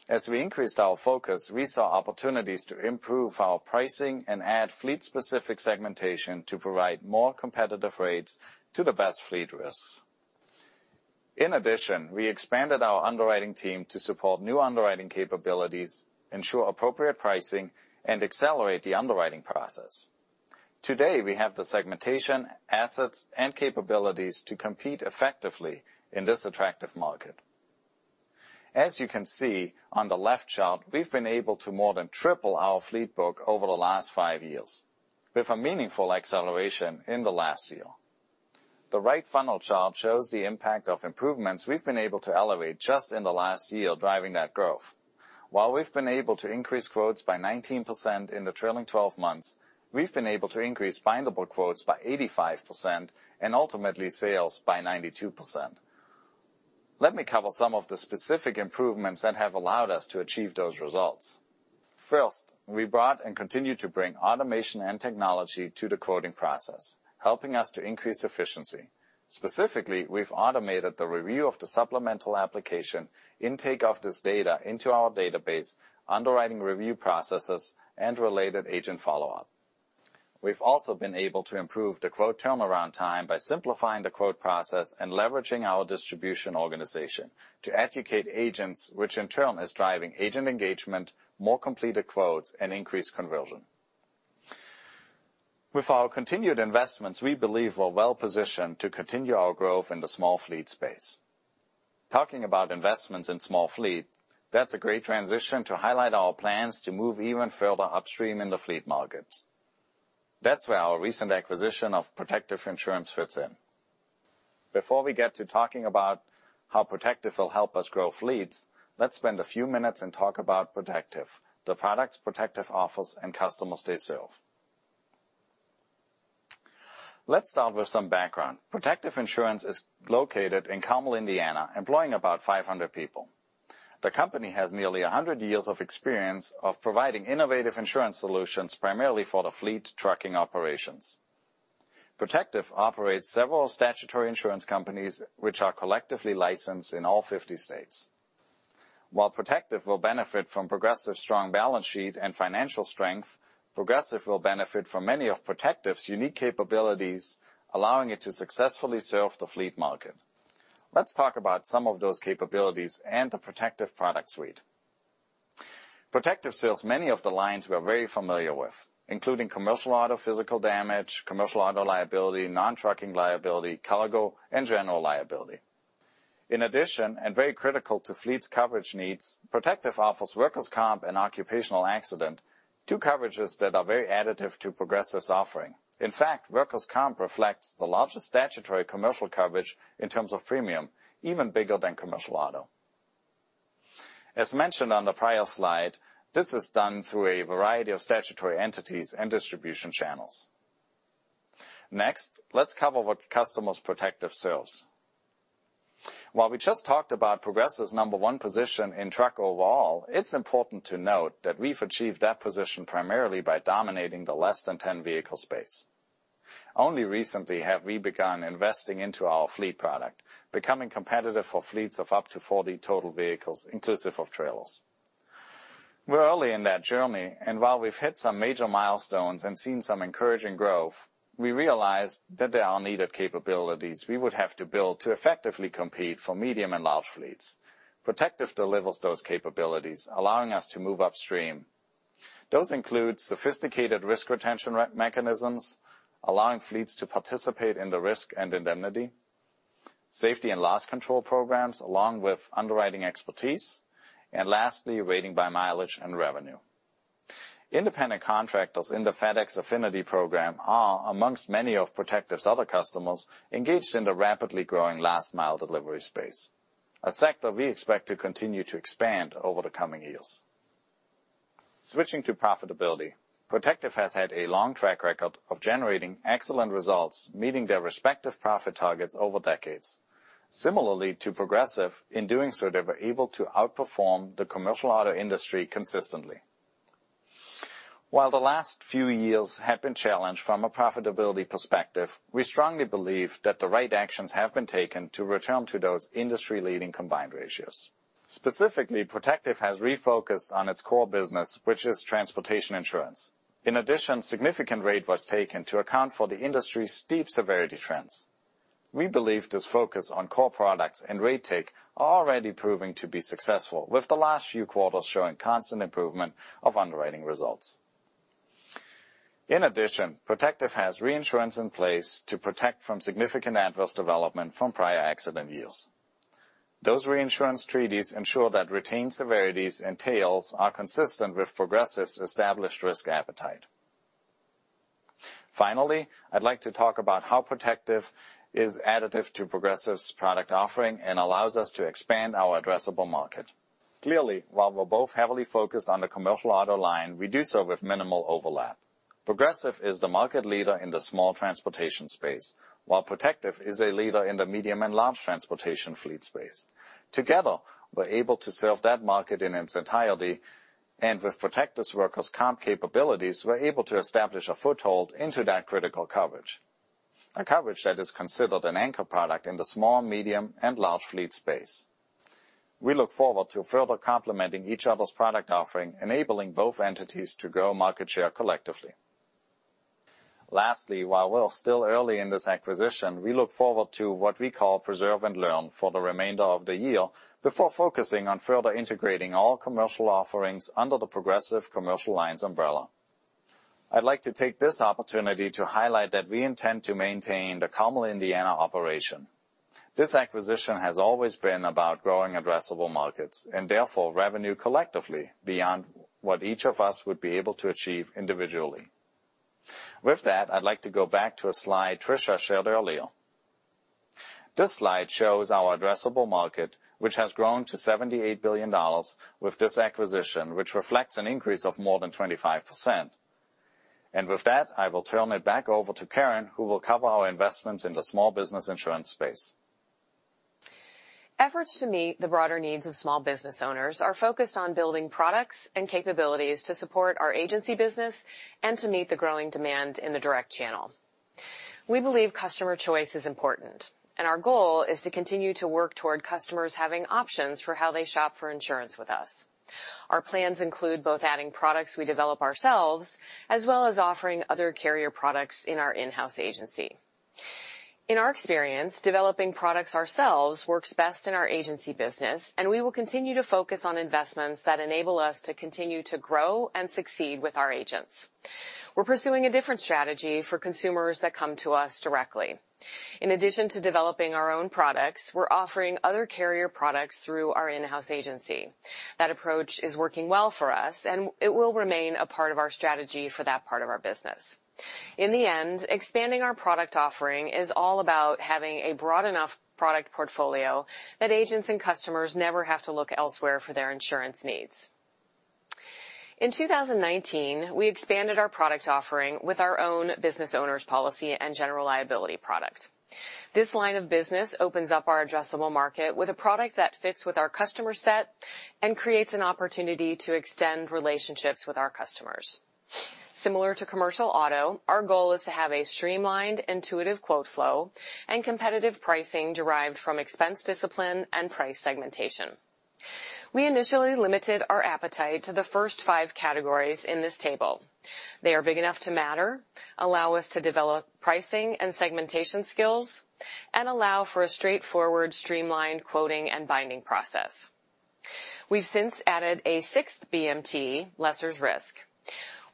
As we increased our focus, we saw opportunities to improve our pricing and add fleet-specific segmentation to provide more competitive rates to the best fleet risks. In addition, we expanded our underwriting team to support new underwriting capabilities, ensure appropriate pricing, and accelerate the underwriting process. Today, we have the segmentation, assets, and capabilities to compete effectively in this attractive market. As you can see on the left chart, we've been able to more than triple our fleet book over the last five years with a meaningful acceleration in the last year. The right funnel chart shows the impact of improvements we've been able to elevate just in the last year driving that growth. While we've been able to increase quotes by 19% in the trailing 12 months, we've been able to increase bindable quotes by 85% and ultimately sales by 92%. Let me cover some of the specific improvements that have allowed us to achieve those results. First, we brought and continue to bring automation and technology to the quoting process, helping us to increase efficiency. Specifically, we've automated the review of the supplemental application, intake of this data into our database, underwriting review processes, and related agent follow-up. We've also been able to improve the quote turnaround time by simplifying the quote process and leveraging our distribution organization to educate agents, which in turn is driving agent engagement, more completed quotes, and increased conversion. With our continued investments, we believe we're well-positioned to continue our growth in the small fleet space. Talking about investments in small fleet, that's a great transition to highlight our plans to move even further upstream in the fleet markets. That's where our recent acquisition of Protective Insurance fits in. Before we get to talking about how Protective will help us grow fleets, let's spend a few minutes and talk about Protective, the products Protective offers, and customers they serve. Let's start with some background. Protective Insurance is located in Carmel, Indiana, employing about 500 people. The company has nearly 100 years of experience of providing innovative insurance solutions primarily for the fleet trucking operations. Protective operates several statutory insurance companies, which are collectively licensed in all 50 states. While Protective will benefit from Progressive's strong balance sheet and financial strength, Progressive will benefit from many of Protective's unique capabilities, allowing it to successfully serve the fleet market. Let's talk about some of those capabilities and the Protective product suite. Protective sells many of the lines we are very familiar with, including commercial auto physical damage, commercial auto liability, non-trucking liability, cargo, and general liability. In addition, and very critical to fleet's coverage needs, Protective offers workers' comp and occupational accident, two coverages that are very additive to Progressive's offering. In fact, workers' comp reflects the largest statutory commercial coverage in terms of premium, even bigger than commercial auto. As mentioned on the prior slide, this is done through a variety of statutory entities and distribution channels. Next, let's cover what customers Protective serves. While we just talked about Progressive's number one position in truck overall, it's important to note that we've achieved that position primarily by dominating the less than 10 vehicle space. Only recently have we begun investing into our fleet product, becoming competitive for fleets of up to 40 total vehicles, inclusive of trailers. We're early in that journey, and while we've hit some major milestones and seen some encouraging growth, we realized that there are needed capabilities we would have to build to effectively compete for medium and large fleets. Protective delivers those capabilities, allowing us to move upstream. Those include sophisticated risk retention mechanisms, allowing fleets to participate in the risk and indemnity, safety and loss control programs, along with underwriting expertise, and lastly, rating by mileage and revenue. Independent contractors in the FedEx Affinity program are, amongst many of Protective's other customers, engaged in the rapidly growing last mile delivery space, a sector we expect to continue to expand over the coming years. Switching to profitability, Protective has had a long track record of generating excellent results, meeting their respective profit targets over decades. Similarly to Progressive, in doing so, they were able to outperform the commercial auto industry consistently. While the last few years have been challenged from a profitability perspective, we strongly believe that the right actions have been taken to return to those industry-leading combined ratios. Specifically, Protective has refocused on its core business, which is transportation insurance. In addition, significant rate was taken to account for the industry's steep severity trends. We believe this focus on core products and rate take are already proving to be successful, with the last few quarters showing constant improvement of underwriting results. In addition, Protective has reinsurance in place to protect from significant adverse development from prior accident years. Those reinsurance treaties ensure that retained severities and tails are consistent with Progressive's established risk appetite. Finally, I'd like to talk about how Protective is additive to Progressive's product offering and allows us to expand our addressable market. Clearly, while we're both heavily focused on the commercial auto line, we do so with minimal overlap. Progressive is the market leader in the small transportation space, while Protective is a leader in the medium and large transportation fleet space. Together, we're able to serve that market in its entirety, and with Protective's workers' comp capabilities, we're able to establish a foothold into that critical coverage. A coverage that is considered an anchor product in the small, medium, and large fleet space. We look forward to further complementing each other's product offering, enabling both entities to grow market share collectively. Lastly, while we're still early in this acquisition, we look forward to what we call preserve and learn for the remainder of the year before focusing on further integrating all commercial offerings under the Progressive Commercial Lines umbrella. I'd like to take this opportunity to highlight that we intend to maintain the Carmel, Indiana, operation. This acquisition has always been about growing addressable markets, and therefore revenue collectively beyond what each of us would be able to achieve individually. With that, I'd like to go back to a slide Tricia shared earlier. This slide shows our addressable market, which has grown to $78 billion with this acquisition, which reflects an increase of more than 25%. With that, I will turn it back over to Karen, who will cover our investments in the small business insurance space. Efforts to meet the broader needs of small business owners are focused on building products and capabilities to support our agency business and to meet the growing demand in the direct channel. We believe customer choice is important, and our goal is to continue to work toward customers having options for how they shop for insurance with us. Our plans include both adding products we develop ourselves, as well as offering other carrier products in our in-house agency. In our experience, developing products ourselves works best in our agency business, and we will continue to focus on investments that enable us to continue to grow and succeed with our agents. We're pursuing a different strategy for consumers that come to us directly. In addition to developing our own products, we're offering other carrier products through our in-house agency. That approach is working well for us, and it will remain a part of our strategy for that part of our business. In the end, expanding our product offering is all about having a broad enough product portfolio that agents and customers never have to look elsewhere for their insurance needs. In 2019, we expanded our product offering with our own Business Owner's Policy and General Liability product. This line of business opens up our addressable market with a product that fits with our customer set and creates an opportunity to extend relationships with our customers. Similar to commercial auto, our goal is to have a streamlined, intuitive quote flow, and competitive pricing derived from expense discipline and price segmentation. We initially limited our appetite to the first five categories in this table. They are big enough to matter, allow us to develop pricing and segmentation skills, and allow for a straightforward, streamlined quoting and binding process. We've since added a sixth BMT, lessor's risk.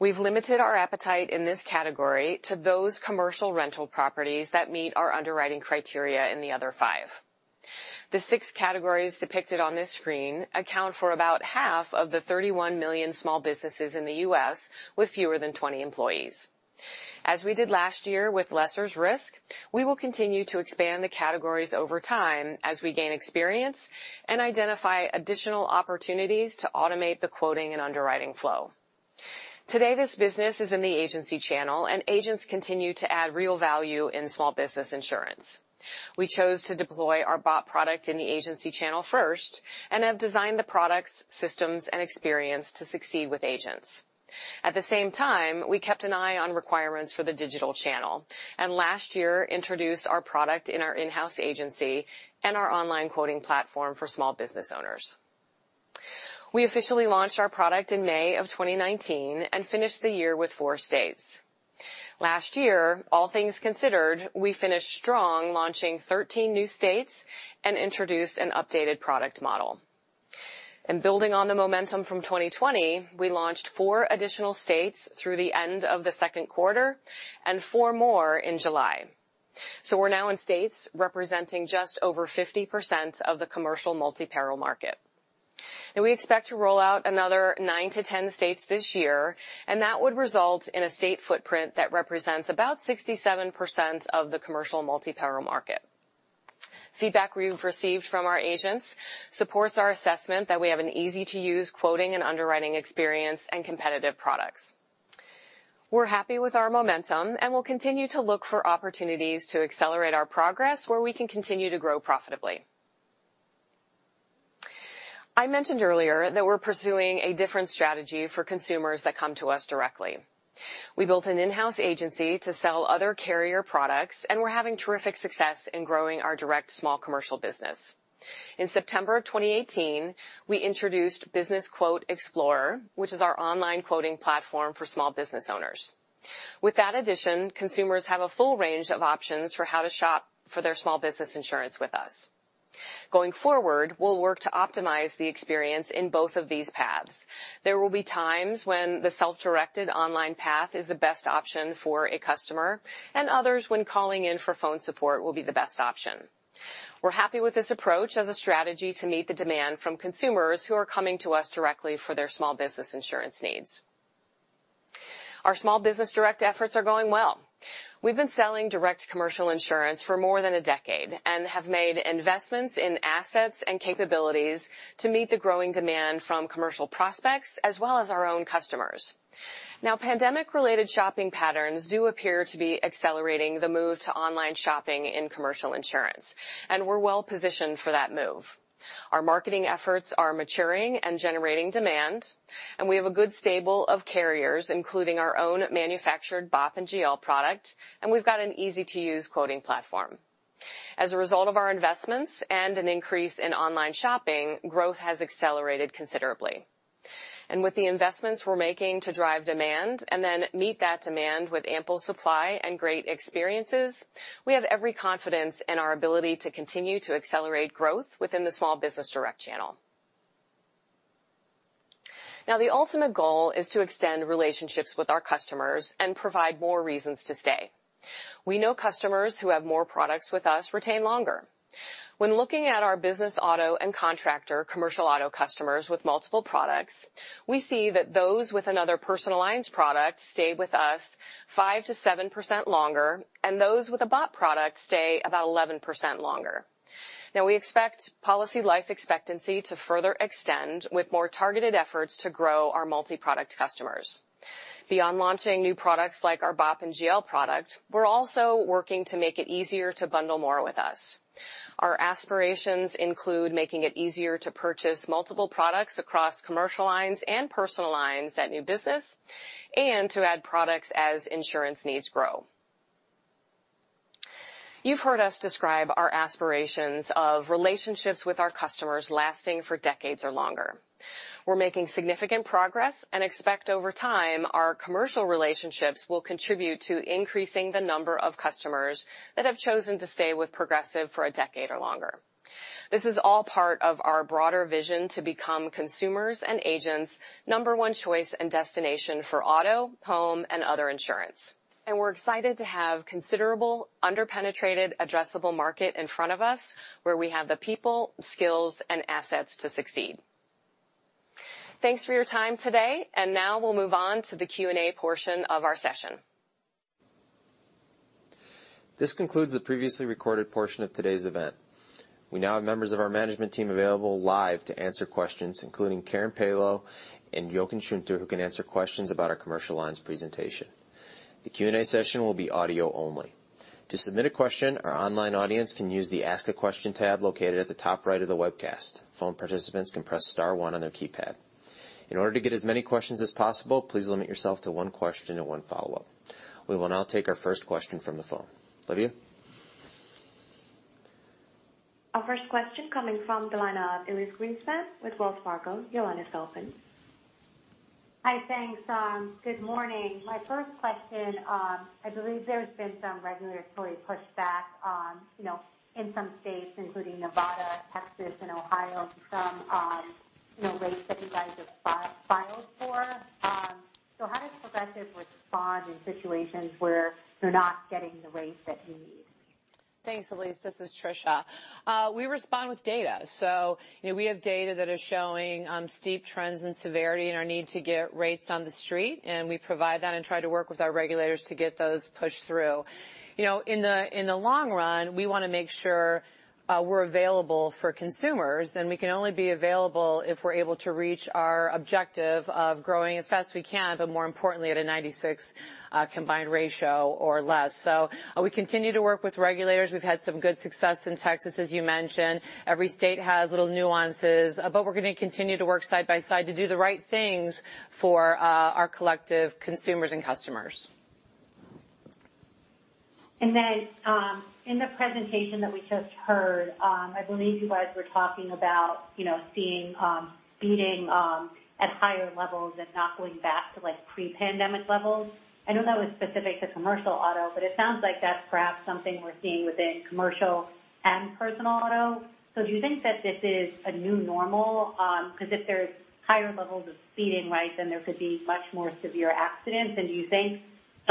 We've limited our appetite in this category to those commercial rental properties that meet our underwriting criteria in the other five. The six categories depicted on this screen account for about half of the 31 million small businesses in the U.S. with fewer than 20 employees. As we did last year with lessor's risk, we will continue to expand the categories over time as we gain experience and identify additional opportunities to automate the quoting and underwriting flow. Today, this business is in the agency channel, and agents continue to add real value in small business insurance. We chose to deploy our BOP product in the agency channel first and have designed the products, systems, and experience to succeed with agents. At the same time, we kept an eye on requirements for the digital channel, and last year introduced our product in our in-house agency and our online quoting platform for small business owners. We officially launched our product in May of 2019 and finished the year with four states. Last year, all things considered, we finished strong, launching 13 new states and introduced an updated product model. Building on the momentum from 2020, we launched four additional states through the end of the second quarter and four more in July. We're now in states representing just over 50% of the commercial multi-peril market. We expect to roll out another 9-10 states this year, and that would result in a state footprint that represents about 67% of the commercial multi-peril market. Feedback we've received from our agents supports our assessment that we have an easy-to-use quoting and underwriting experience and competitive products. We're happy with our momentum, and we'll continue to look for opportunities to accelerate our progress where we can continue to grow profitably. I mentioned earlier that we're pursuing a different strategy for consumers that come to us directly. We built an in-house agency to sell other carrier products, and we're having terrific success in growing our direct small commercial business. In September of 2018, we introduced BusinessQuote Explorer, which is our online quoting platform for small business owners. With that addition, consumers have a full range of options for how to shop for their small business insurance with us. Going forward, we'll work to optimize the experience in both of these paths. There will be times when the self-directed online path is the best option for a customer, and others when calling in for phone support will be the best option. We're happy with this approach as a strategy to meet the demand from consumers who are coming to us directly for their small business insurance needs. Our small business direct efforts are going well. We've been selling direct commercial insurance for more than a decade and have made investments in assets and capabilities to meet the growing demand from commercial prospects as well as our own customers. Now, pandemic-related shopping patterns do appear to be accelerating the move to online shopping in commercial insurance, and we're well-positioned for that move. Our marketing efforts are maturing and generating demand, and we have a good stable of carriers, including our own manufactured BOP and GL product, and we've got an easy-to-use quoting platform. As a result of our investments and an increase in online shopping, growth has accelerated considerably. With the investments we're making to drive demand and then meet that demand with ample supply and great experiences, we have every confidence in our ability to continue to accelerate growth within the small business direct channel. Now, the ultimate goal is to extend relationships with our customers and provide more reasons to stay. We know customers who have more products with us retain longer. When looking at our business auto and contractor commercial auto customers with multiple products, we see that those with another Personal Lines product stay with us 5% to 7% longer, and those with a BOP product stay about 11% longer. We expect policy life expectancy to further extend with more targeted efforts to grow our multi-product customers. Beyond launching new products like our BOP and GL product, we're also working to make it easier to bundle more with us. Our aspirations include making it easier to purchase multiple products across Commercial Lines and Personal Lines at new business, and to add products as insurance needs grow. You've heard us describe our aspirations of relationships with our customers lasting for decades or longer. We're making significant progress and expect over time, our commercial relationships will contribute to increasing the number of customers that have chosen to stay with Progressive for a decade or longer. This is all part of our broader vision to become consumers' and agents' number one choice and destination for auto, home, and other insurance. We're excited to have considerable, under-penetrated addressable market in front of us, where we have the people, skills, and assets to succeed. Thanks for your time today, and now we'll move on to the Q&A portion of our session. This concludes the previously recorded portion of today's event. We now have members of our management team available live to answer questions, including Karen Bailo and Jochen Schunter, who can answer questions about our Commercial Lines presentation. The Q&A session will be audio only. To submit a question, our online audience can use the Ask a Question tab located at the top right of the webcast. Phone participants can press star one on their keypad. In order to get as many questions as possible, please limit yourself to one question and one follow-up. We will now take our first question from the phone. Olivia? Our first question coming from the line of Elyse Greenspan with Wells Fargo. Your line is open. Hi, thanks. Good morning. My first question, I believe there's been some regulatory pushback in some states, including Nevada, Texas, and Ohio, from rates that you guys have filed for. How does Progressive respond in situations where you're not getting the rates that you need? Thanks, Elyse. This is Tricia. We respond with data. We have data that is showing steep trends in severity and our need to get rates on the street, and we provide that and try to work with our regulators to get those pushed through. In the long run, we want to make sure we're available for consumers, and we can only be available if we're able to reach our objective of growing as fast as we can, but more importantly, at a 96 combined ratio or less. We continue to work with regulators. We've had some good success in Texas, as you mentioned. Every state has little nuances, but we're going to continue to work side by side to do the right things for our collective consumers and customers. In the presentation that we just heard, I believe you guys were talking about speeding at higher levels and not going back to pre-pandemic levels. I know that was specific to commercial auto, but it sounds like that's perhaps something we're seeing within commercial and personal auto. Do you think that this is a new normal? Because if there's higher levels of speeding, then there could be much more severe accidents. Do you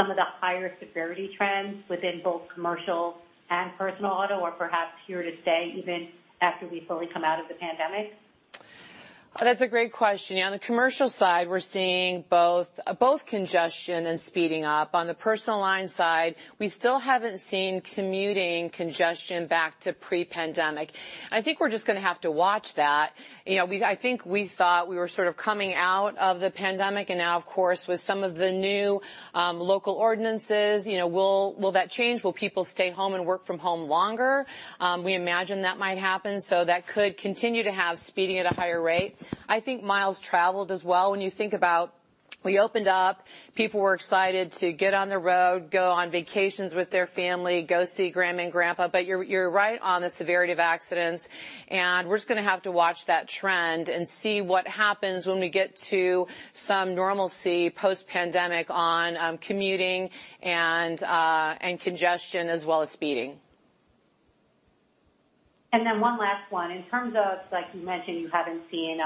think some of the higher severity trends within both commercial and personal auto are perhaps here to stay even after we fully come out of the pandemic? That's a great question. On the commercial side, we're seeing both congestion and speeding up. On the personal line side, we still haven't seen commuting congestion back to pre-pandemic. I think we're just going to have to watch that. I think we thought we were sort of coming out of the pandemic, and now, of course, with some of the new local ordinances, will that change? Will people stay home and work from home longer? We imagine that might happen. That could continue to have speeding at a higher rate. I think miles traveled as well. When you think about, we opened up, people were excited to get on the road, go on vacations with their family, go see grandma and grandpa. You're right on the severity of accidents, and we're just going to have to watch that trend and see what happens when we get to some normalcy post-pandemic on commuting and congestion as well as speeding. One last one. In terms of, like you mentioned, you haven't seen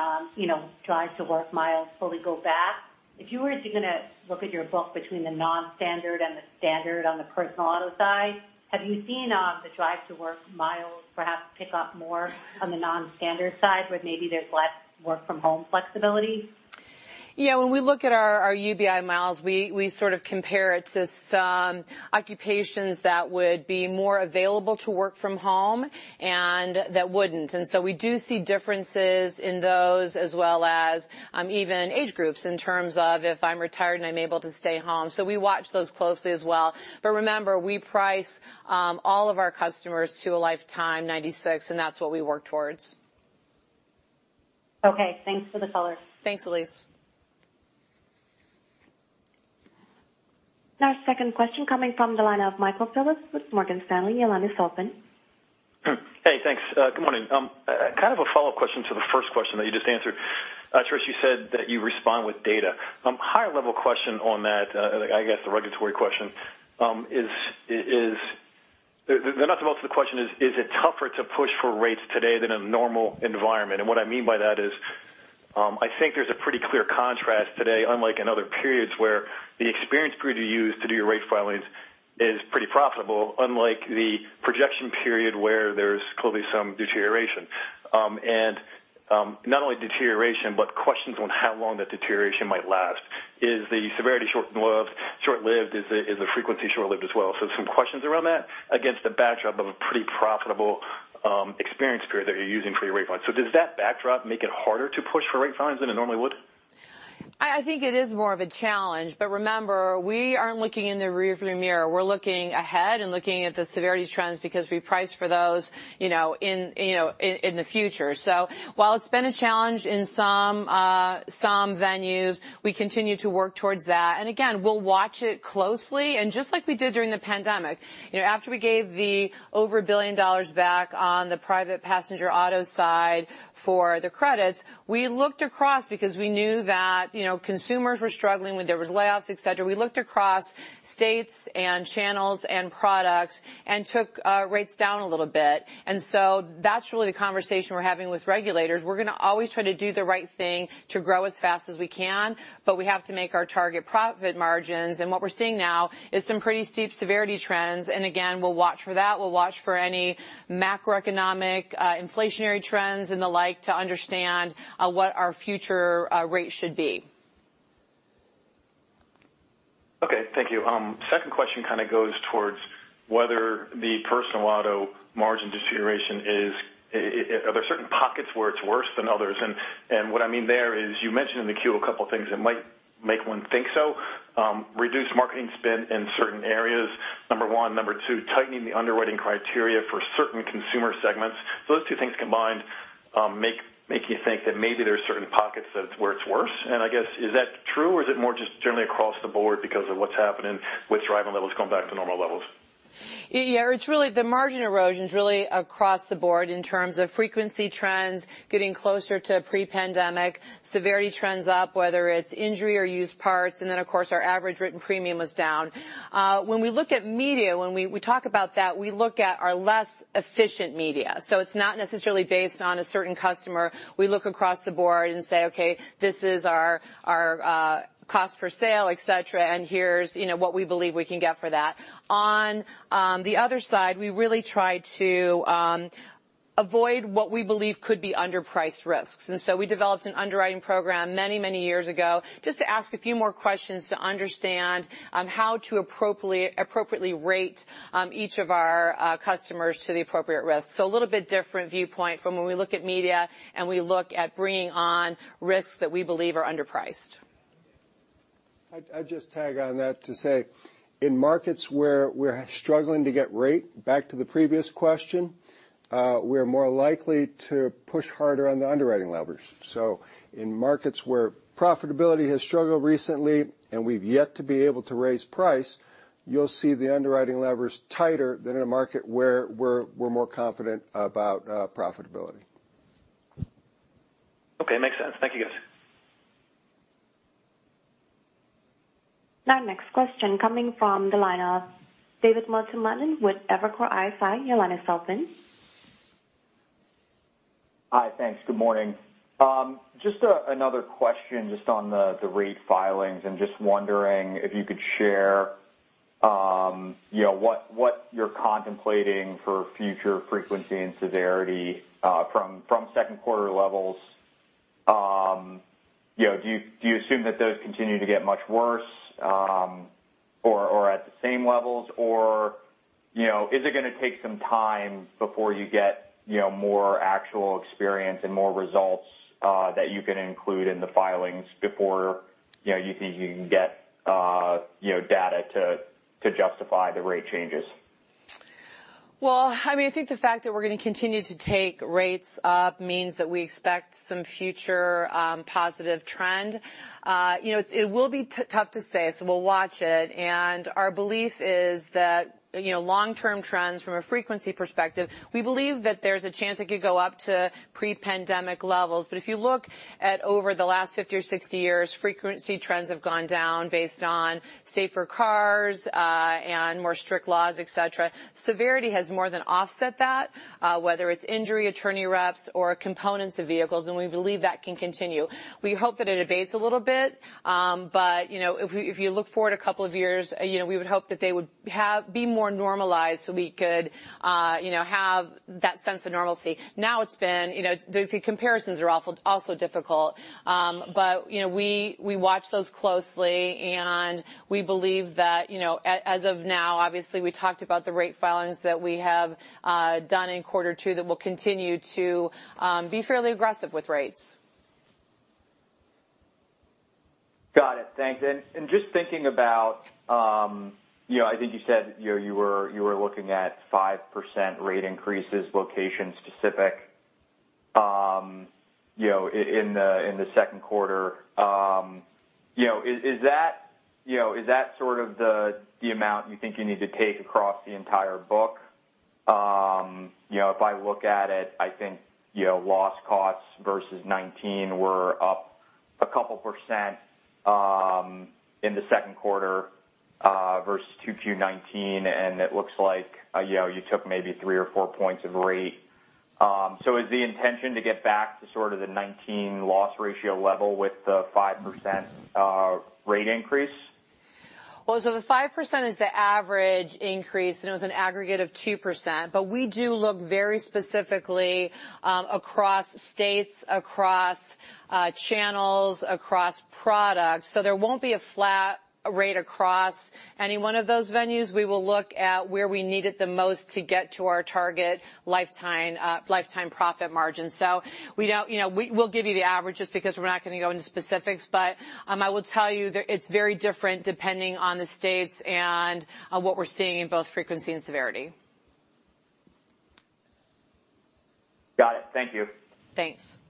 drive to work miles fully go back. If you were to look at your book between the non-standard and the standard on the personal auto side, have you seen the drive to work miles perhaps pick up more on the non-standard side, where maybe there's less work from home flexibility? When we look at our UBI miles, we sort of compare it to some occupations that would be more available to work from home and that wouldn't. We do see differences in those as well as even age groups in terms of if I'm retired and I'm able to stay home. We watch those closely as well. Remember, we price all of our customers to a lifetime 96, and that's what we work towards. Okay, thanks for the color. Thanks, Elyse. Our second question coming from the line of Michael Phillips with Morgan Stanley. Your line is open. Hey, thanks. Good morning. Kind of a follow-up question to the first question that you just answered. Tricia, you said that you respond with data. High level question on that. The nuts and bolts of the question is it tougher to push for rates today than in a normal environment? What I mean by that is, I think there's a pretty clear contrast today, unlike in other periods where the experience period you use to do your rate filings is pretty profitable, unlike the projection period where there's clearly some deterioration. Not only deterioration, but questions on how long that deterioration might last. Is the severity short-lived? Is the frequency short-lived as well? Some questions around that against the backdrop of a pretty profitable experience period that you're using for your rate files. Does that backdrop make it harder to push for rate filings than it normally would? I think it is more of a challenge, remember, we aren't looking in the rearview mirror. We're looking ahead and looking at the severity trends because we price for those in the future. While it's been a challenge in some venues, we continue to work towards that. Again, we'll watch it closely, just like we did during the pandemic. After we gave the over $1 billion back on the private passenger auto side for the credits, we looked across because we knew that consumers were struggling when there was layoffs, et cetera. We looked across states and channels and products and took rates down a little bit. That's really the conversation we're having with regulators. We're going to always try to do the right thing to grow as fast as we can, but we have to make our target profit margins. What we're seeing now is some pretty steep severity trends. Again, we'll watch for that. We'll watch for any macroeconomic inflationary trends and the like to understand what our future rates should be. Okay, thank you. Second question kind of goes towards whether the personal auto margin deterioration are there certain pockets where it's worse than others? What I mean there is, you mentioned in the Q a couple of things that might make one think so. Reduce marketing spend in certain areas, number one. Number two, tightening the underwriting criteria for certain consumer segments. Those two things combined make you think that maybe there's certain pockets where it's worse. I guess, is that true, or is it more just generally across the board because of what's happening with driving levels going back to normal levels? The margin erosion's really across the board in terms of frequency trends getting closer to pre-pandemic, severity trends up, whether it's injury or used parts, and then, of course, our average written premium was down. When we look at media, when we talk about that, we look at our less efficient media. It's not necessarily based on a certain customer. We look across the board and say, "Okay, this is our cost per sale, et cetera, and here's what we believe we can get for that." On the other side, we really try to avoid what we believe could be underpriced risks. We developed an underwriting program many years ago just to ask a few more questions to understand how to appropriately rate each of our customers to the appropriate risk. A little bit different viewpoint from when we look at media and we look at bringing on risks that we believe are underpriced. I'd just tag on that to say, in markets where we're struggling to get rate, back to the previous question, we're more likely to push harder on the underwriting levers. In markets where profitability has struggled recently and we've yet to be able to raise price, you'll see the underwriting levers tighter than in a market where we're more confident about profitability. Okay. Makes sense. Thank you, guys. Our next question coming from the line of David Motemaden with Evercore ISI. Your line is open. Hi. Thanks. Good morning. Just another question on the rate filings. Just wondering if you could share what you're contemplating for future frequency and severity from second quarter levels. Do you assume that those continue to get much worse, or at the same levels, or is it going to take some time before you get more actual experience and more results that you can include in the filings before you think you can get data to justify the rate changes? Well, I think the fact that we're going to continue to take rates up means that we expect some future positive trend. It will be tough to say, so we'll watch it. Our belief is that long-term trends from a frequency perspective, we believe that there's a chance it could go up to pre-pandemic levels. If you look at over the last 50 or 60 years, frequency trends have gone down based on safer cars and more strict laws, et cetera. Severity has more than offset that, whether it's injury attorney reps or components of vehicles, and we believe that can continue. We hope that it abates a little bit. If you look forward a couple of years, we would hope that they would be more normalized so we could have that sense of normalcy. It's been the comparisons are also difficult. We watch those closely, and we believe that as of now, obviously, we talked about the rate filings that we have done in quarter two, that we'll continue to be fairly aggressive with rates. Got it. Thanks. Just thinking about, I think you said you were looking at 5% rate increases, location-specific, in the second quarter. Is that sort of the amount you think you need to take across the entire book? I look at it, I think loss costs versus 2019 were up 2% in the second quarter versus Q2 2019, and it looks like you took maybe three or four points of rate. Is the intention to get back to sort of the 2019 loss ratio level with the 5% rate increase? The 5% is the average increase, and it was an aggregate of 2%. We do look very specifically across states, across channels, across products. There won't be a flat rate across any one of those venues. We will look at where we need it the most to get to our target lifetime profit margin. We'll give you the averages because we're not going to go into specifics. I will tell you that it's very different depending on the states and what we're seeing in both frequency and severity. Got it. Thank you. Thanks.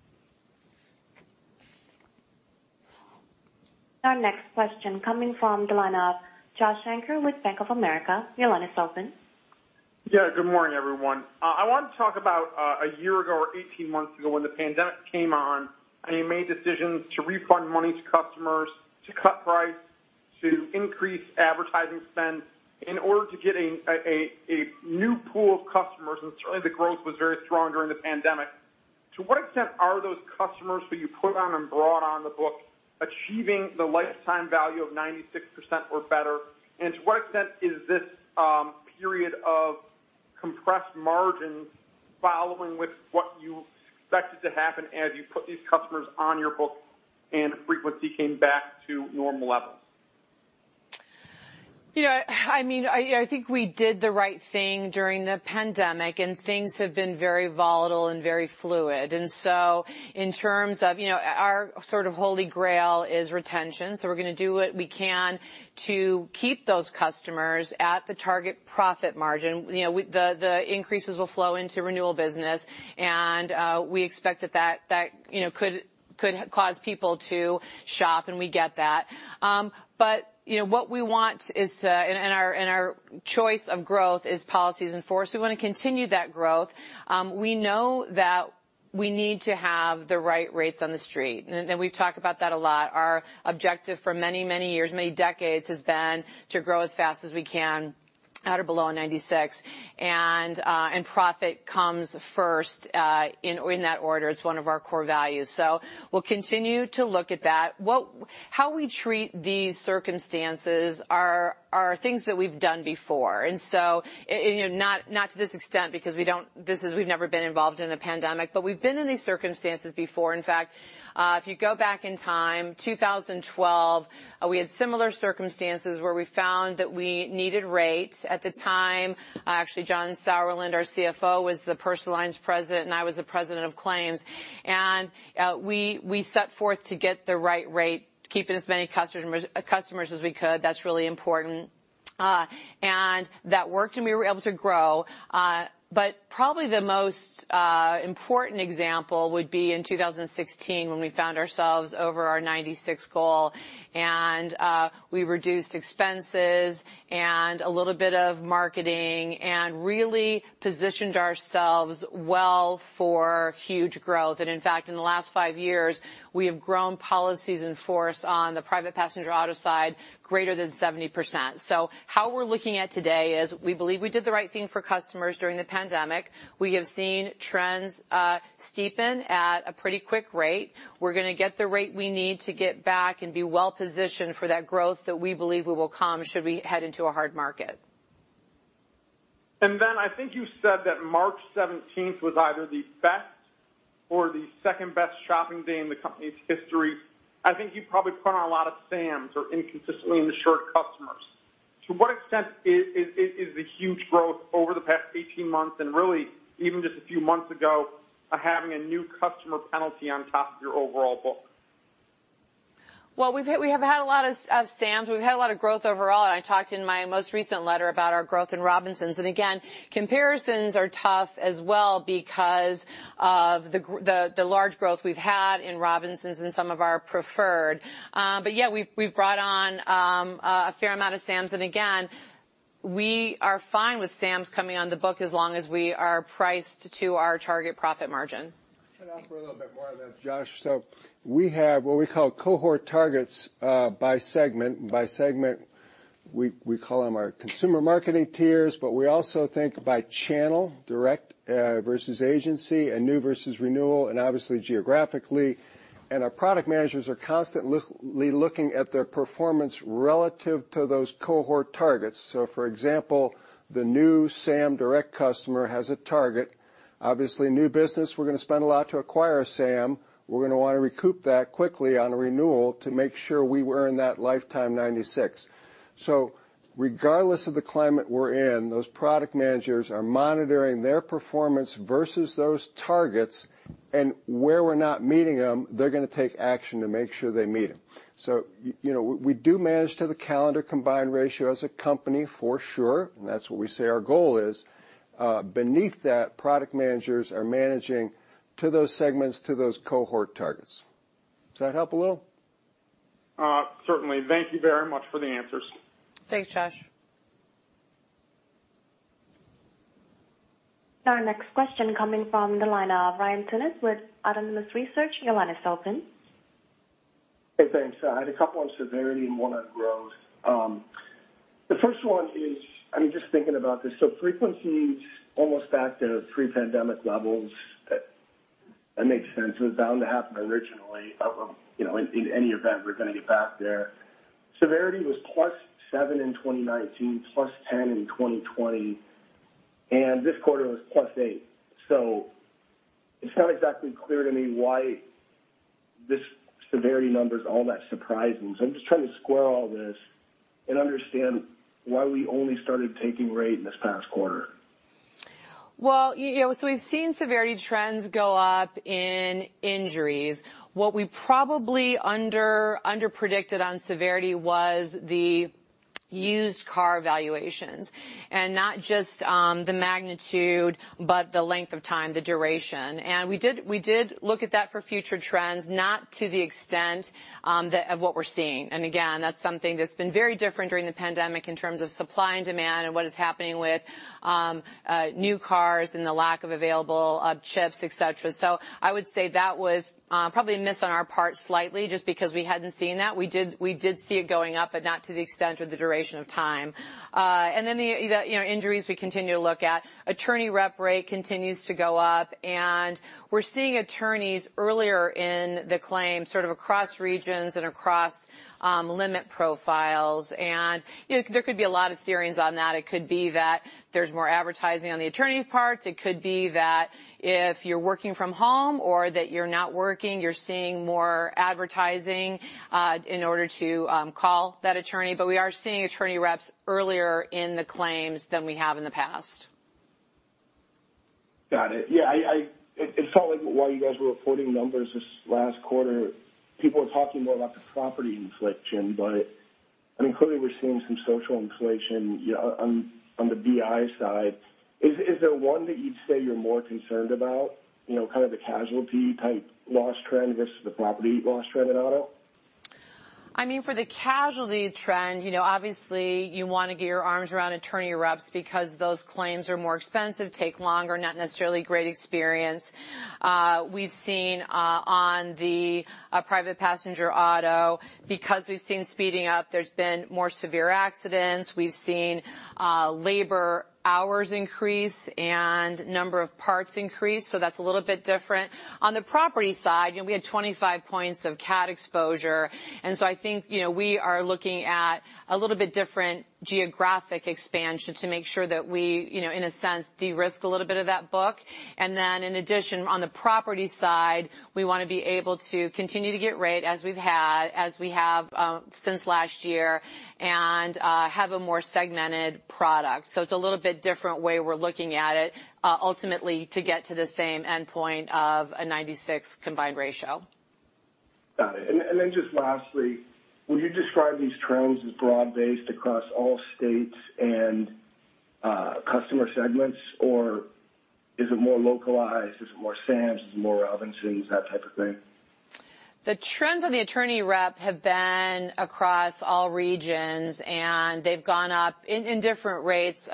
Our next question coming from the line of Josh Shanker with Bank of America. Your line is open. Yeah, good morning, everyone. I wanted to talk about a year ago or 18 months ago when the pandemic came on, and you made decisions to refund money to customers, to cut price, to increase advertising spend in order to get a new pool of customers. Certainly, the growth was very strong during the pandemic. To what extent are those customers who you put on and brought on the book achieving the lifetime value of 96% or better? To what extent is this period of compressed margins following with what you expected to happen as you put these customers on your books and frequency came back to normal levels? I think we did the right thing during the pandemic. Things have been very volatile and very fluid. In terms of our sort of holy grail is retention. We're going to do what we can to keep those customers at the target profit margin. The increases will flow into renewal business. We expect that that could cause people to shop. We get that. Our choice of growth is policies in force. We want to continue that growth. We know that we need to have the right rates on the street. We've talked about that a lot. Our objective for many years, many decades, has been to grow as fast as we can at or below a 96%. Profit comes first in that order. It's one of our core values. We'll continue to look at that. How we treat these circumstances are things that we've done before. Not to this extent, because we've never been involved in a pandemic, but we've been in these circumstances before. In fact, if you go back in time, 2012, we had similar circumstances where we found that we needed rate. At the time, actually, John Sauerland, our CFO, was the Personal Lines President, and I was the President of Claims. We set forth to get the right rate to keep as many customers as we could. That's really important. That worked, and we were able to grow. Probably the most important example would be in 2016 when we found ourselves over our 96 goal, and we reduced expenses and a little bit of marketing and really positioned ourselves well for huge growth. In fact, in the last five years, we have grown policies in force on the private passenger auto side greater than 70%. How we're looking at today is we believe we did the right thing for customers during the pandemic. We have seen trends steepen at a pretty quick rate. We're going to get the rate we need to get back and be well-positioned for that growth that we believe will come should we head into a hard market. I think you said that March 17th was either the best or the second-best shopping day in the company's history. I think you probably put on a lot of Sams or inconsistently insured customers. To what extent is the huge growth over the past 18 months, and really even just a few months ago, having a new customer penalty on top of your overall book? Well, we have had a lot of Sams. We've had a lot of growth overall. I talked in my most recent letter about our growth in Robinsons. Again, comparisons are tough as well because of the large growth we've had in Robinsons and some of our preferred. Yeah, we've brought on a fair amount of Sams. Again, we are fine with Sams coming on the book as long as we are priced to our target profit margin. Can I offer a little bit more on that, Josh? We have what we call cohort targets by segment, and by segment we call them our consumer marketing tiers, but we also think by channel, direct versus agency, and new versus renewal, and obviously geographically. Our product managers are constantly looking at their performance relative to those cohort targets. For example, the new Sam direct customer has a target. Obviously, new business, we're going to spend a lot to acquire a Sam. We're going to want to recoup that quickly on a renewal to make sure we earn that lifetime 96. Regardless of the climate we're in, those product managers are monitoring their performance versus those targets. Where we're not meeting them, they're going to take action to make sure they meet them. We do manage to the calendar combined ratio as a company for sure, and that's what we say our goal is. Beneath that, product managers are managing to those segments, to those cohort targets. Does that help a little? Certainly. Thank you very much for the answers. Thanks, Josh. Our next question coming from the line of Ryan Tunis with Autonomous Research. Your line is open. Hey, thanks. I had a couple on severity and one on growth. The first one is, I'm just thinking about this, frequency almost back to pre-pandemic levels. That makes sense. It was bound to happen originally. In any event, we're going to get back there. Severity was plus seven in 2019, plus 10 in 2020, and this quarter was plus 8. It's not exactly clear to me why this severity number is all that surprising. I'm just trying to square all this and understand why we only started taking rate in this past quarter. We've seen severity trends go up in injuries. What we probably underpredicted on severity was the used car valuations, and not just the magnitude, but the length of time, the duration. We did look at that for future trends, not to the extent of what we're seeing. Again, that's something that's been very different during the pandemic in terms of supply and demand and what is happening with new cars and the lack of available chips, et cetera. I would say that was probably a miss on our part slightly, just because we hadn't seen that. We did see it going up, but not to the extent or the duration of time. The injuries we continue to look at. Attorney rep rate continues to go up, and we're seeing attorneys earlier in the claim, sort of across regions and across limit profiles. There could be a lot of theories on that. It could be that there's more advertising on the attorney part. It could be that if you're working from home or that you're not working, you're seeing more advertising in order to call that attorney. We are seeing attorney reps earlier in the claims than we have in the past. Got it. Yeah. It felt like while you guys were reporting numbers this last quarter, people were talking more about the property inflation, but clearly we're seeing some social inflation on the BI side. Is there one that you'd say you're more concerned about? Kind of the casualty type loss trend versus the property loss trend in auto? For the casualty trend, obviously you want to get your arms around attorney reps because those claims are more expensive, take longer, not necessarily great experience. We've seen on the private passenger auto, because we've seen speeding up, there's been more severe accidents. We've seen labor hours increase and number of parts increase, so that's a little bit different. On the property side, we had 25 points of cat exposure, and so I think we are looking at a little bit different geographic expansion to make sure that we, in a sense, de-risk a little bit of that book. And then in addition, on the property side, we want to be able to continue to get rate as we have since last year and have a more segmented product. It's a little bit different way we're looking at it, ultimately to get to the same endpoint of a 96% combined ratio. Got it. Just lastly, would you describe these trends as broad-based across all states and customer segments, or is it more localized? Is it more Sams, is it more Robinsons, that type of thing? The trends on the attorney rep have been across all regions. They've gone up in different rates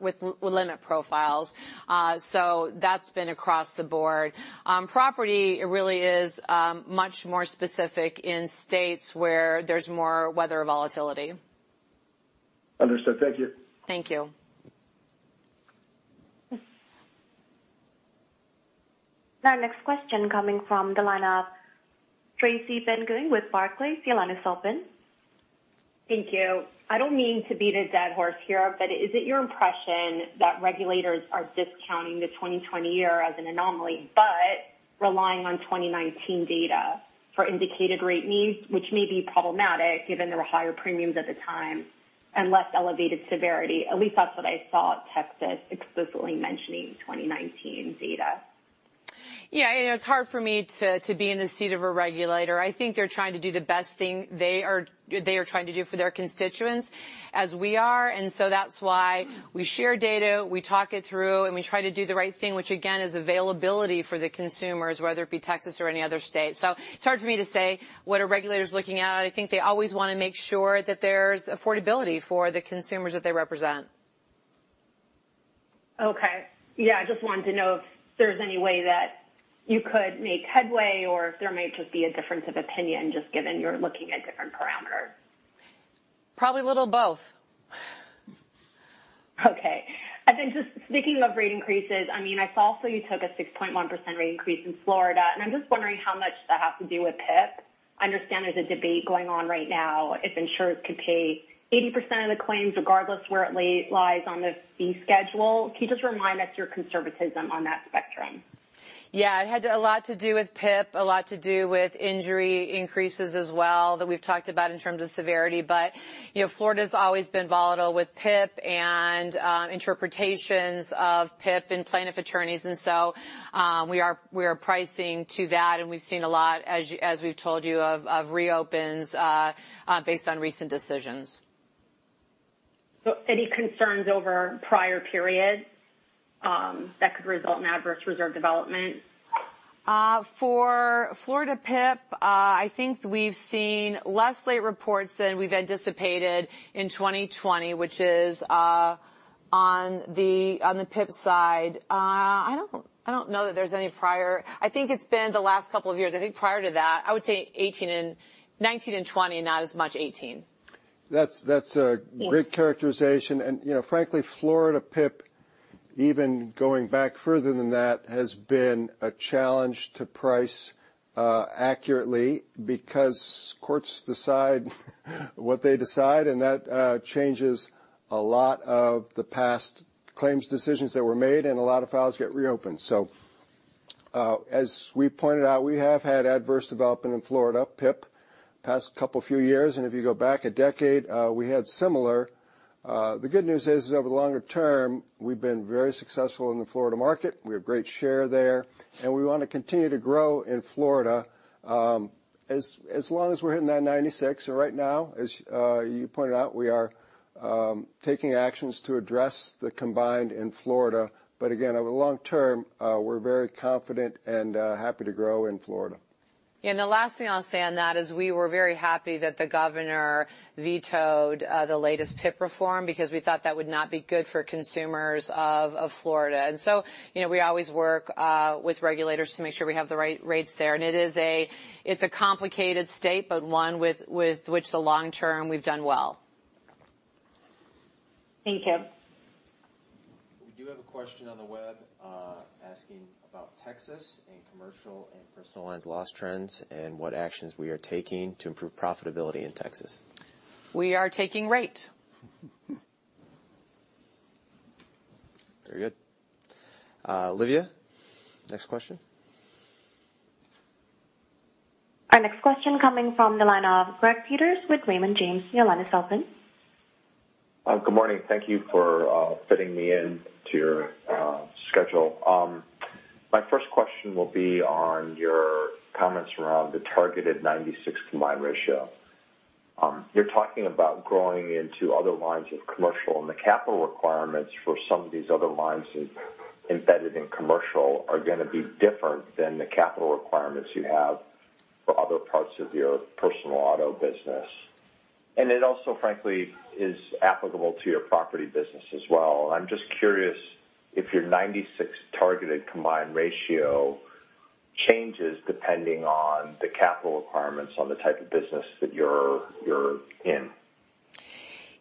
with limit profiles. That's been across the board. Property really is much more specific in states where there's more weather volatility. Understood. Thank you. Thank you. Our next question coming from the line of Tracy Benguigui with Barclays. Your line is open. Thank you. I don't mean to beat a dead horse here, but is it your impression that regulators are discounting the 2020 year as an anomaly, but relying on 2019 data for indicated rate needs, which may be problematic given there were higher premiums at the time and less elevated severity? At least that's what I saw Texas explicitly mentioning 2019 data. Yeah. It's hard for me to be in the seat of a regulator. I think they're trying to do the best thing they are trying to do for their constituents as we are. That's why we share data, we talk it through, and we try to do the right thing, which again, is availability for the consumers, whether it be Texas or any other state. It's hard for me to say what a regulator's looking at. I think they always want to make sure that there's affordability for the consumers that they represent. Okay. Yeah, I just wanted to know if there's any way that you could make headway or if there may just be a difference of opinion, just given you're looking at different parameters. Probably a little of both. Okay. Just speaking of rate increases, I saw you took a 6.1% rate increase in Florida. I'm just wondering how much that has to do with PIP. I understand there's a debate going on right now if insurers could pay 80% of the claims regardless where it lies on the fee schedule. Can you just remind us your conservatism on that spectrum? Yeah. It had a lot to do with PIP, a lot to do with injury increases as well, that we've talked about in terms of severity. Florida's always been volatile with PIP and interpretations of PIP and plaintiff attorneys, and so we are pricing to that, and we've seen a lot, as we've told you, of reopens based on recent decisions. Any concerns over prior periods that could result in adverse reserve development? For Florida PIP, I think we've seen less late reports than we've anticipated in 2020, which is on the PIP side. I don't know that there's any prior. I think it's been the last couple of years. I think prior to that, I would say 2019 and 2020, not as much 2018. That's a great characterization. Frankly, Florida PIP, even going back further than that, has been a challenge to price accurately because courts decide what they decide, and that changes a lot of the past claims decisions that were made, and a lot of files get reopened. As we pointed out, we have had adverse development in Florida PIP the past couple few years, and if you go back a decade, we had similar. The good news is, over the longer term, we've been very successful in the Florida market. We have great share there, and we want to continue to grow in Florida. As long as we're hitting that 96% right now, as you pointed out, we are taking actions to address the combined in Florida. Again, over the long term, we're very confident and happy to grow in Florida. The last thing I'll say on that is we were very happy that the governor vetoed the latest PIP reform because we thought that would not be good for consumers of Florida. We always work with regulators to make sure we have the right rates there. It's a complicated state, but one with which the long term we've done well. Thank you. We do have a question on the web asking about Texas and commercial and Personal Lines loss trends and what actions we are taking to improve profitability in Texas. We are taking rate. Very good. Olivia, next question. Our next question coming from the line of Greg Peters with Raymond James. Your line is open. Good morning. Thank you for fitting me into your schedule. My first question will be on your comments around the targeted 96 combined ratio. You're talking about growing into other lines of commercial. The capital requirements for some of these other lines embedded in commercial are going to be different than the capital requirements you have for other parts of your personal auto business. It also, frankly, is applicable to your property business as well. I'm just curious if your 96 targeted combined ratio changes depending on the capital requirements on the type of business that you're in.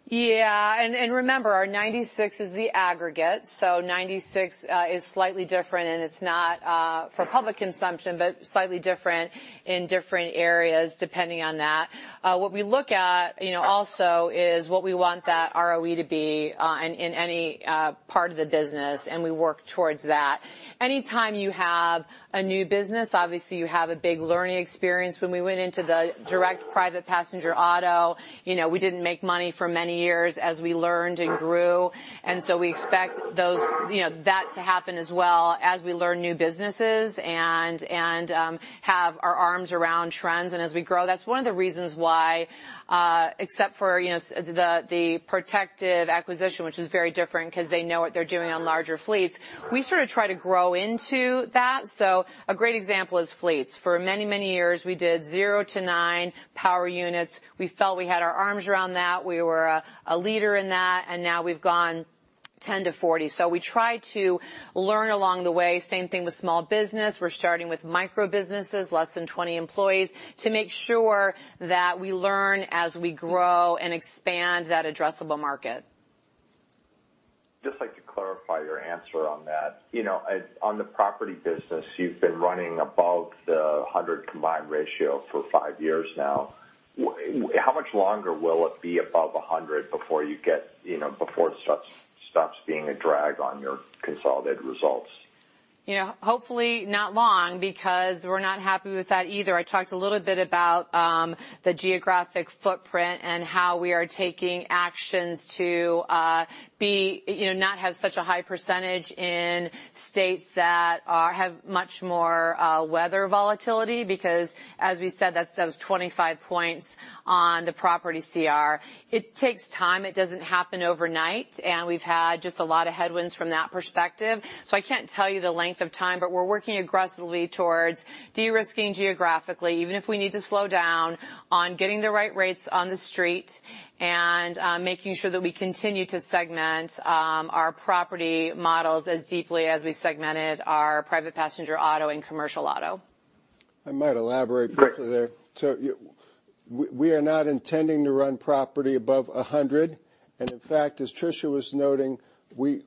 Yeah. Remember, our 96% is the aggregate. 96% is slightly different, and it's not for public consumption, but slightly different in different areas depending on that. What we look at also is what we want that ROE to be in any part of the business, and we work towards that. Anytime you have a new business, obviously you have a big learning experience. When we went into the direct private passenger auto, we didn't make money for many years as we learned and grew. We expect that to happen as well as we learn new businesses and have our arms around trends and as we grow. That's one of the reasons why except for the Protective acquisition, which is very different because they know what they're doing on larger fleets, we sort of try to grow into that. A great example is fleets. For many years, we did zero to nine power units. We felt we had our arms around that. We were a leader in that. Now we've gone 10 to 40. We try to learn along the way. Same thing with small business. We're starting with micro-businesses, less than 20 employees, to make sure that we learn as we grow and expand that addressable market. Just like to clarify your answer on that. On the property business, you've been running above the 100 combined ratio for five years now. How much longer will it be above 100 before it stops being a drag on your consolidated results? Hopefully not long because we're not happy with that either. I talked a little bit about the geographic footprint and how we are taking actions to not have such a high percentage in states that have much more weather volatility because as we said, that's 25 points on the property CR. It takes time. It doesn't happen overnight, and we've had just a lot of headwinds from that perspective. I can't tell you the length of time, but we're working aggressively towards de-risking geographically, even if we need to slow down on getting the right rates on the street and making sure that we continue to segment our property models as deeply as we segmented our private passenger auto and commercial auto. I might elaborate briefly there. We are not intending to run property above 100. In fact, as Tricia was noting, we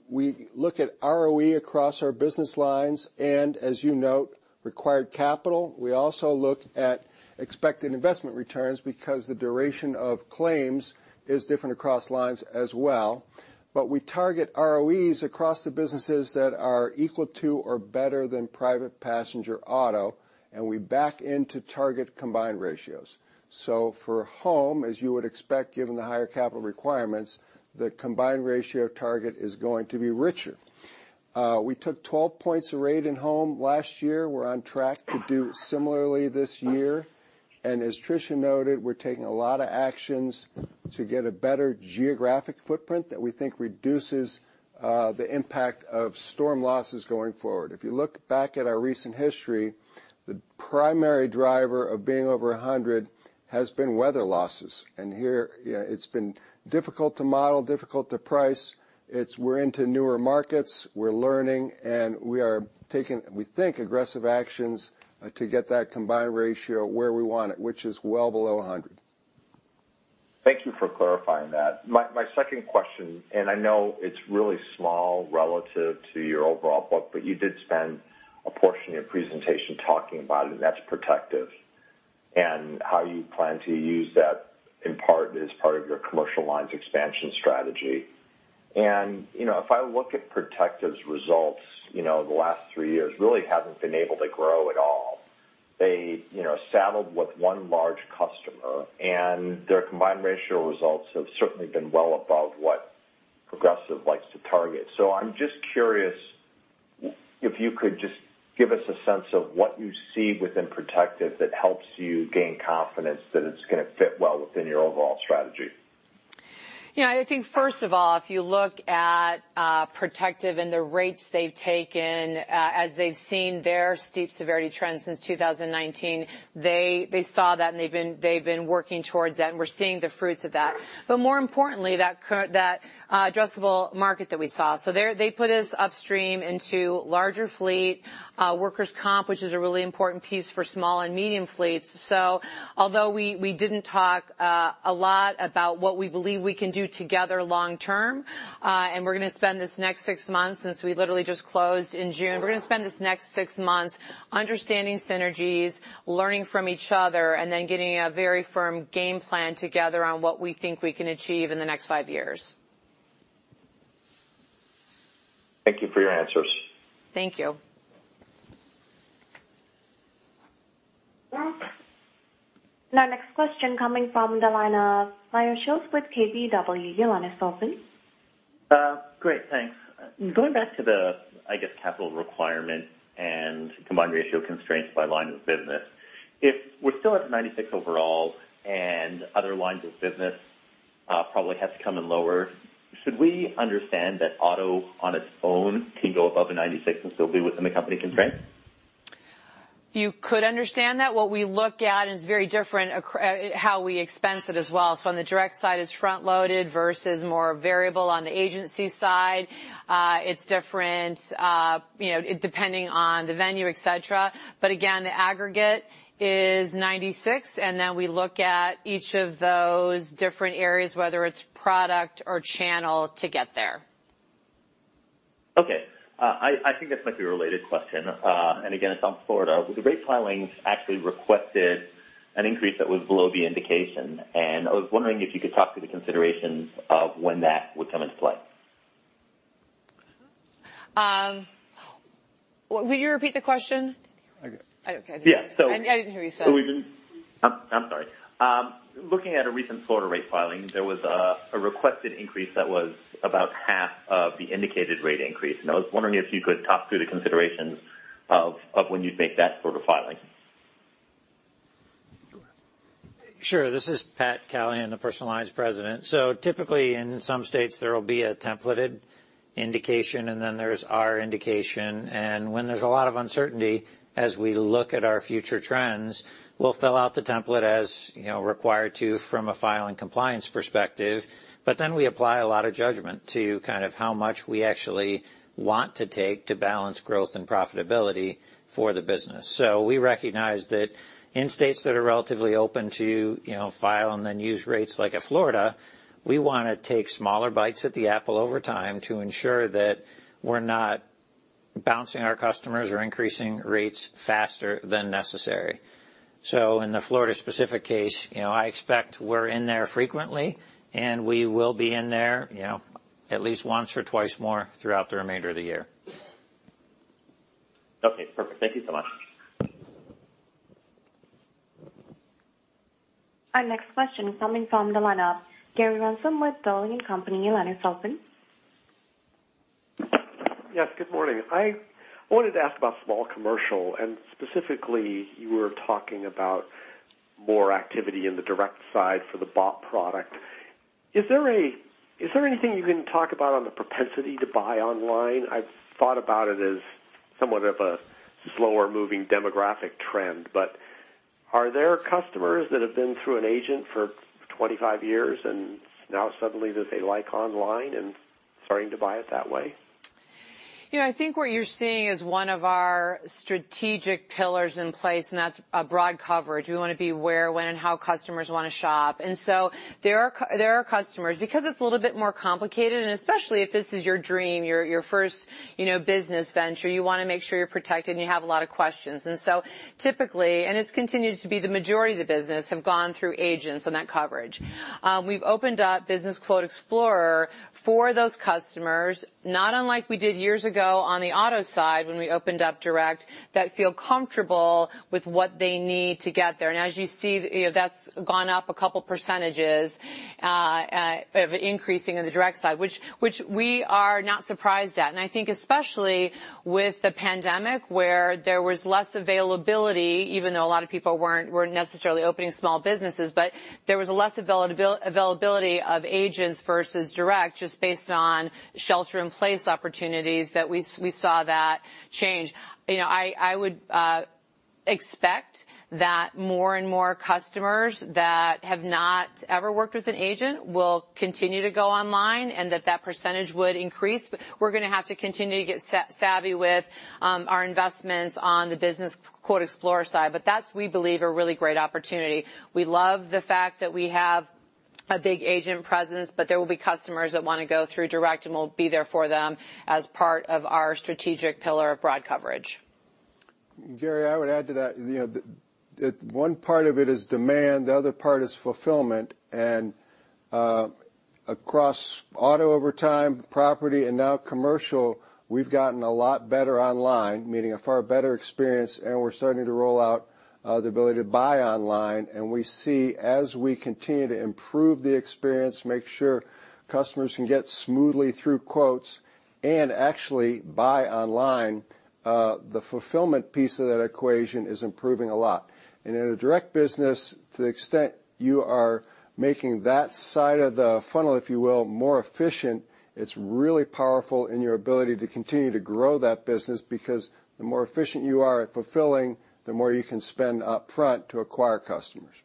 look at ROE across our business lines and as you note, required capital. We also look at expected investment returns because the duration of claims is different across lines as well. We target ROEs across the businesses that are equal to or better than private passenger auto, and we back into target combined ratios. For home, as you would expect, given the higher capital requirements, the combined ratio target is going to be richer. We took 12 points of rate in home last year. We're on track to do similarly this year. As Tricia noted, we're taking a lot of actions to get a better geographic footprint that we think reduces the impact of storm losses going forward. If you look back at our recent history, the primary driver of being over 100 has been weather losses. Here, it's been difficult to model, difficult to price. We're into newer markets, we're learning, and we are taking, we think, aggressive actions to get that combined ratio where we want it, which is well below 100. Thank you for clarifying that. My second question, and I know it's really small relative to your overall book, but you did spend a portion of your presentation talking about it, and that's Protective, and how you plan to use that in part as part of your Commercial Lines expansion strategy. If I look at Protective's results, the last three years really haven't been able to grow at all. They saddled with one large customer, their combined ratio results have certainly been well above what Progressive likes to target. I'm just curious if you could just give us a sense of what you see within Protective that helps you gain confidence that it's going to fit well within your overall strategy. I think first of all, if you look at Protective and the rates they've taken as they've seen their steep severity trend since 2019, they saw that and they've been working towards that, and we're seeing the fruits of that. More importantly, that addressable market that we saw. They put us upstream into larger fleet, workers' comp, which is a really important piece for small and medium fleets. Although we didn't talk a lot about what we believe we can do together long term, and we're going to spend this next six months since we literally just closed in June, we're going to spend this next six months understanding synergies, learning from each other, and then getting a very firm game plan together on what we think we can achieve in the next five years. Thank you for your answers. Thank you. Our next question coming from the line of Meyer Shields with KBW. Your line is open. Great, thanks. Going back to the, I guess, capital requirement and combined ratio constraints by line of business. If we're still at 96% overall and other lines of business probably have to come in lower, should we understand that auto on its own can go above a 96% and still be within the company constraints? You could understand that. What we look at is very different, how we expense it as well. On the direct side, it's front-loaded versus more variable on the agency side. It's different depending on the venue, et cetera. Again, the aggregate is 96%, and then we look at each of those different areas, whether it's product or channel to get there. Okay. I think this might be a related question. Again, it's on Florida. With the rate filings, actually requested an increase that was below the indication, and I was wondering if you could talk through the considerations of when that would come into play. Would you repeat the question? I got- Okay. Yeah, so- I didn't hear what you said. I'm sorry. Looking at a recent Florida rate filing, there was a requested increase that was about half of the indicated rate increase. I was wondering if you could talk through the considerations of when you'd make that sort of filing. Sure. This is Pat Callahan, the Personal Lines President. Typically in some states there will be a templated indication, and then there's our indication. When there's a lot of uncertainty as we look at our future trends, we'll fill out the template as required to from a file and compliance perspective, but then we apply a lot of judgment to how much we actually want to take to balance growth and profitability for the business. We recognize that in states that are relatively open to file and then use rates like a Florida, we want to take smaller bites at the apple over time to ensure that we're not bouncing our customers or increasing rates faster than necessary. In the Florida specific case, I expect we're in there frequently, and we will be in there at least once or twice more throughout the remainder of the year. Okay, perfect. Thank you so much. Our next question is coming from the line of Gary Ransom with Dowling & Company. Yes, good morning. I wanted to ask about small commercial, specifically you were talking about more activity in the direct side for the BOP product. Is there anything you can talk about on the propensity to buy online? I've thought about it as somewhat of a slower-moving demographic trend, are there customers that have been through an agent for 25 years and now suddenly that they like online and starting to buy it that way? I think what you're seeing is one of our strategic pillars in place, and that's broad coverage. We want to be where, when, and how customers want to shop. There are customers, because it's a little bit more complicated, and especially if this is your dream, your first business venture, you want to make sure you're protected and you have a lot of questions. Typically, and this continues to be the majority of the business have gone through agents on that coverage. We've opened up BusinessQuote Explorer for those customers, not unlike we did years ago on the auto side when we opened up direct, that feel comfortable with what they need to get there. As you see, that's gone up a couple of percentages of increasing in the direct side, which we are not surprised at. I think especially with the pandemic where there was less availability, even though a lot of people weren't necessarily opening small businesses, but there was a less availability of agents versus direct, just based on shelter-in-place opportunities that we saw that change. I would expect that more and more customers that have not ever worked with an agent will continue to go online, and that that percentage would increase. We're going to have to continue to get savvy with our investments on the BusinessQuote Explorer side. That's, we believe, a really great opportunity. We love the fact that we have a big agent presence, but there will be customers that want to go through direct, and we'll be there for them as part of our strategic pillar of broad coverage. Gary, I would add to that. One part of it is demand, the other part is fulfillment. Across auto overtime, property, and now commercial, we've gotten a lot better online, meaning a far better experience, and we're starting to roll out the ability to buy online. We see as we continue to improve the experience, make sure customers can get smoothly through quotes and actually buy online, the fulfillment piece of that equation is improving a lot. In a direct business, to the extent you are making that side of the funnel, if you will, more efficient, it's really powerful in your ability to continue to grow that business because the more efficient you are at fulfilling, the more you can spend upfront to acquire customers.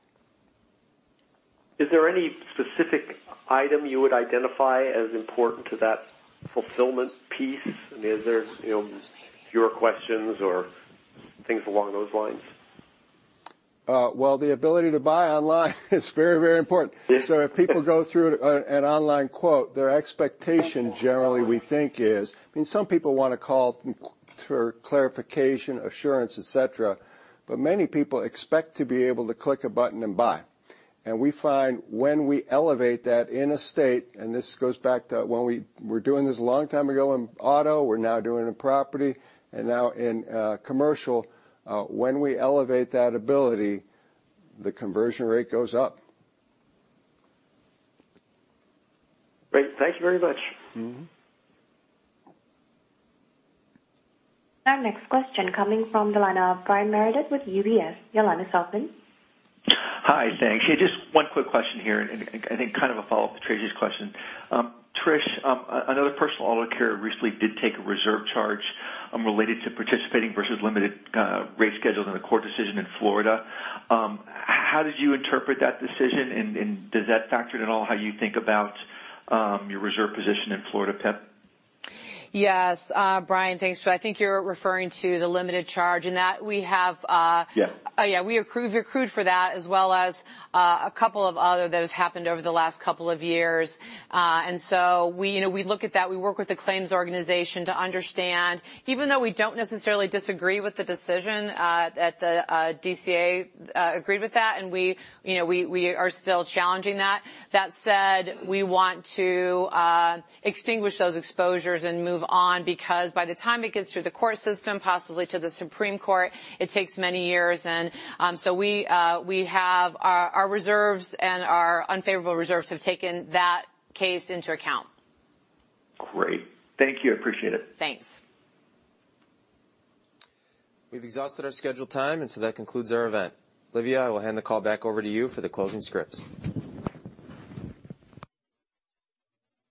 Is there any specific item you would identify as important to that fulfillment piece? I mean, is there your questions or things along those lines? Well, the ability to buy online is very important. If people go through an online quote, their expectation generally we think is, I mean, some people want to call for clarification, assurance, et cetera, but many people expect to be able to click a button and buy. We find when we elevate that in a state, and this goes back to when we were doing this a long time ago in auto, we're now doing it in property, and now in commercial. When we elevate that ability, the conversion rate goes up. Great. Thank you very much. Our next question coming from the line of Brian Meredith with UBS. Your line is open. Hi. Thanks. Just one quick question here, I think kind of a follow-up to Tracy's question. Tricia, another personal auto carrier recently did take a reserve charge related to participating versus limited rate schedules in a court decision in Florida. How did you interpret that decision, and does that factor at all how you think about your reserve position in Florida PIP? Yes. Brian, thanks. I think you're referring to the limited charge. Yeah. Yeah, we accrued for that as well as a couple of other that has happened over the last couple of years. We look at that. We work with the claims organization to understand, even though we don't necessarily disagree with the decision, that the DCA agreed with that, and we are still challenging that. That said, we want to extinguish those exposures and move on because by the time it gets through the court system, possibly to the Supreme Court, it takes many years. Our reserves and our unfavorable reserves have taken that case into account. Great. Thank you. Appreciate it. Thanks. We've exhausted our scheduled time. That concludes our event. Olivia, I will hand the call back over to you for the closing scripts.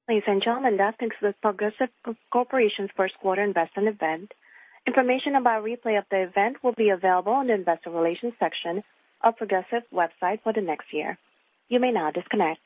Ladies and gentlemen, that concludes Progressive Corporation's first quarter investor event. Information about replay of the event will be available on the investor relations section of Progressive's website for the next year. You may now disconnect.